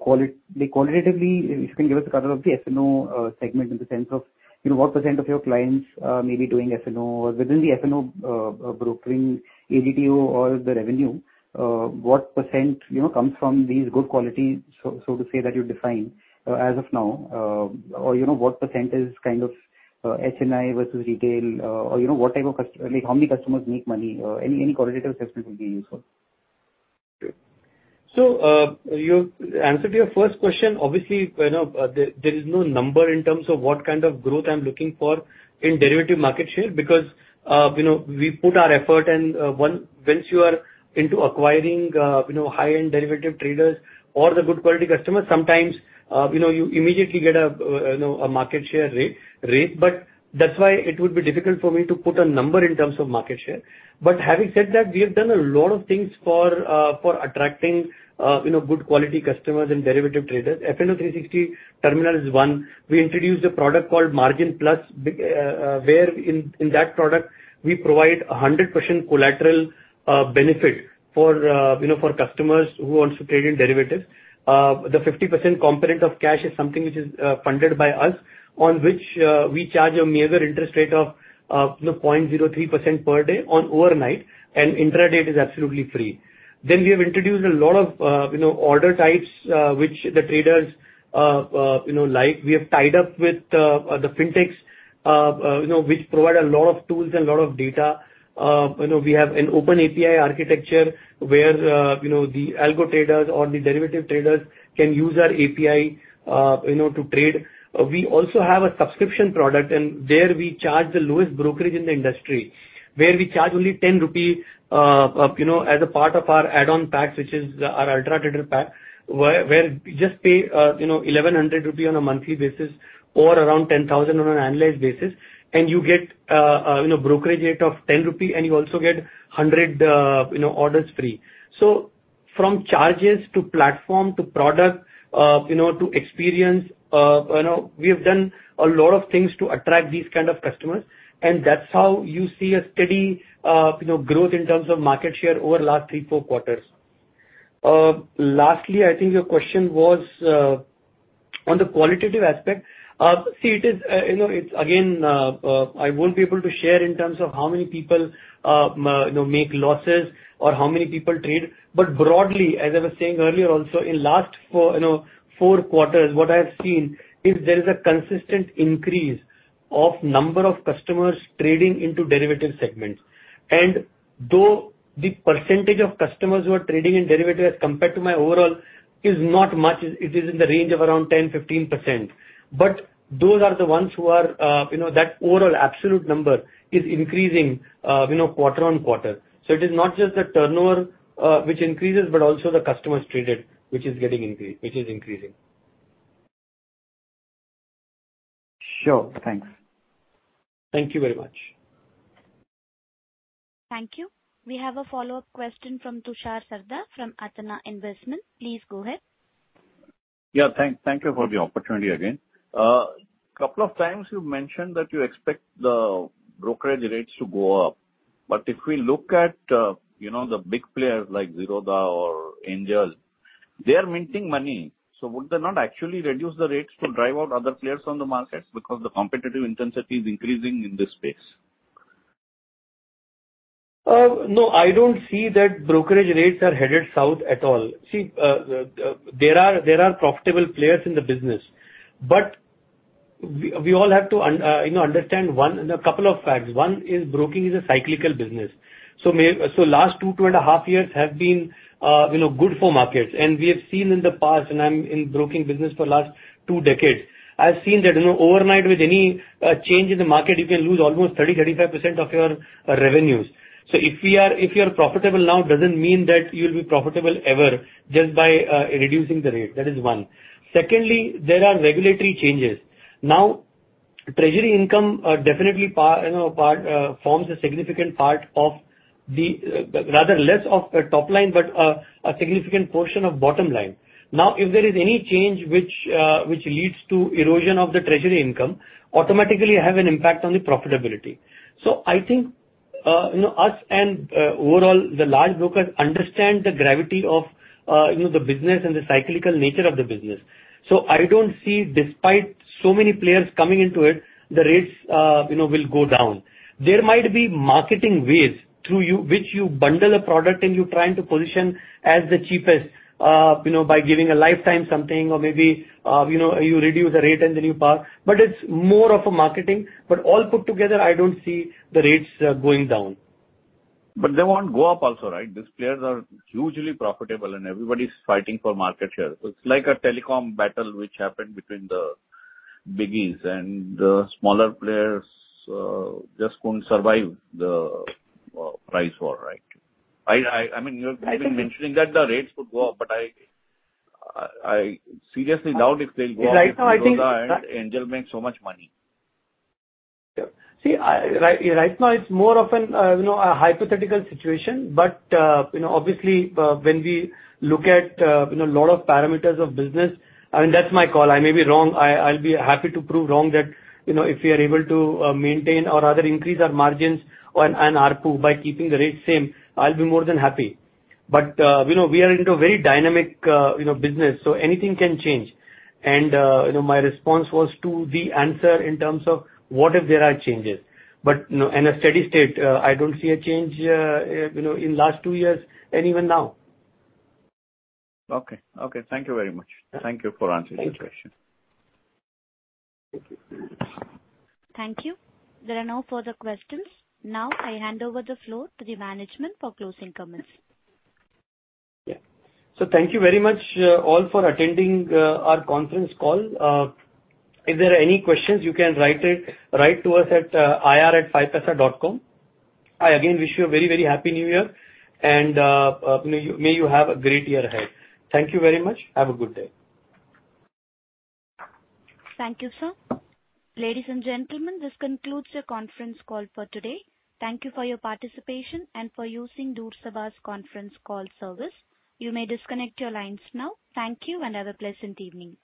Speaker 15: qualitatively, if you can give us the color of the F&O segment in the sense of, you know, what % of your clients may be doing F&O. Within the F&O brokering AGTO or the revenue, what % you know, comes from these good quality so to say that you define as of now. You know, what % is kind of HNI versus retail? You know, what type of customers like how many customers make money? Any qualitative assessment would be useful.
Speaker 2: Answer to your first question, obviously, you know, there is no number in terms of what kind of growth I'm looking for in derivative market share because, you know, we put our effort and once you are into acquiring, you know, high-end derivative traders or the good quality customers, sometimes, you know, you immediately get a, you know, a market share rate, but that's why it would be difficult for me to put a number in terms of market share. Having said that, we have done a lot of things for attracting, you know, good quality customers and derivative traders. F&O 360 terminal is one. We introduced a product called MarginPlus, where in that product we provide a 100% collateral benefit for, you know, for customers who wants to trade in derivatives. The 50% component of cash is something which is funded by us, on which we charge a meager interest rate of, you know, 0.03% per day on overnight, and intraday it is absolutely free. We have introduced a lot of, you know, order types, which the traders, you know, like. We have tied up with the fintechs, you know, which provide a lot of tools and lot of data. You know, we have an OpenAPI architecture where, you know, the algo traders or the derivative traders can use our API, you know, to trade. We also have a subscription product. There we charge the lowest brokerage in the industry, where we charge only 10 rupees, you know, as a part of our add-on pack, which is our Ultra Trader Pack, where you just pay, you know, INR 1,100 on a monthly basis or around INR 10,000 on an annualized basis, and you get, you know, brokerage rate of INR 10, and you also get 100, you know, orders free. From charges to platform to product, you know, to experience, you know, we have done a lot of things to attract these kind of customers and that's how you see a steady, you know, growth in terms of market share over last three, four quarters. Lastly, I think your question was, on the qualitative aspect. See it is, it's again, I won't be able to share in terms of how many people make losses or how many people trade. Broadly, as I was saying earlier also, in last 4 quarters, what I have seen is there is a consistent increase of number of customers trading into derivative segments. Though the percentage of customers who are trading in derivative as compared to my overall is not much, it is in the range of around 10%-15%. Those are the ones who are that overall absolute number is increasing quarter on quarter. It is not just the turnover which increases, but also the customers traded which is increasing.
Speaker 15: Sure. Thanks.
Speaker 2: Thank you very much.
Speaker 1: Thank you. We have a follow-up question from Tushar Sarda from Athena Investments. Please go ahead.
Speaker 11: Yeah. Thank you for the opportunity again. Couple of times you've mentioned that you expect the brokerage rates to go up. If we look at, you know, the big players like Zerodha or Angels, they are minting money. Would they not actually reduce the rates to drive out other players from the markets because the competitive intensity is increasing in this space?
Speaker 2: No, I don't see that brokerage rates are headed south at all. See, there are profitable players in the business, but we all have to, you know, understand one and a couple of facts. One is broking is a cyclical business. Last two and a half years have been, you know, good for markets. We have seen in the past, and I'm in broking business for last two decades, I've seen that, you know, overnight with any change in the market, you can lose almost 30%-35% of your revenues. If you are profitable now doesn't mean that you'll be profitable ever just by reducing the rate. That is one. Secondly, there are regulatory changes. Treasury income are definitely you know, part forms a significant part of the rather less of a top line, but a significant portion of bottom line. If there is any change which leads to erosion of the treasury income, automatically have an impact on the profitability. I think, you know, us and overall, the large brokers understand the gravity of, you know, the business and the cyclical nature of the business. I don't see, despite so many players coming into it, the rates, you know, will go down. There might be marketing ways through which you bundle a product and you're trying to position as the cheapest, you know, by giving a lifetime something or maybe, you know, you reduce the rate and then you park. It's more of a marketing. All put together, I don't see the rates going down.
Speaker 11: They won't go up also, right? These players are hugely profitable and everybody's fighting for market share. It's like a telecom battle which happened between the biggies and the smaller players, just couldn't survive the price war, right? I mean, you're.
Speaker 2: I think-
Speaker 11: -been mentioning that the rates could go up, but I seriously doubt if they'll go up-
Speaker 2: Right now I think-
Speaker 11: They'll make so much money.
Speaker 2: See, I... Right now it's more of an, you know, a hypothetical situation. you know, obviously, when we look at, you know, lot of parameters of business, I mean, that's my call. I may be wrong. I'll be happy to prove wrong that, you know, if we are able to maintain or rather increase our margins on an ARPU by keeping the rates same, I'll be more than happy. you know, we are into a very dynamic, you know, business, so anything can change. you know, my response was to the answer in terms of what if there are changes. you know, in a steady state, I don't see a change, you know, in last two years and even now.
Speaker 11: Okay. Okay, thank you very much.
Speaker 2: Yeah.
Speaker 11: Thank you for answering the question.
Speaker 2: Thank you.
Speaker 1: Thank you. There are no further questions. Now I hand over the floor to the management for closing comments.
Speaker 2: Thank you very much, all for attending, our conference call. If there are any questions, you can write to us at ir@5paisa.com. I again wish you a very, very happy new year and may you have a great year ahead. Thank you very much. Have a good day.
Speaker 1: Thank you, sir. Ladies and gentlemen, this concludes your conference call for today. Thank you for your participation and for using Chorus Call's Conference Call Service. You may disconnect your lines now. Thank you and have a pleasant evening.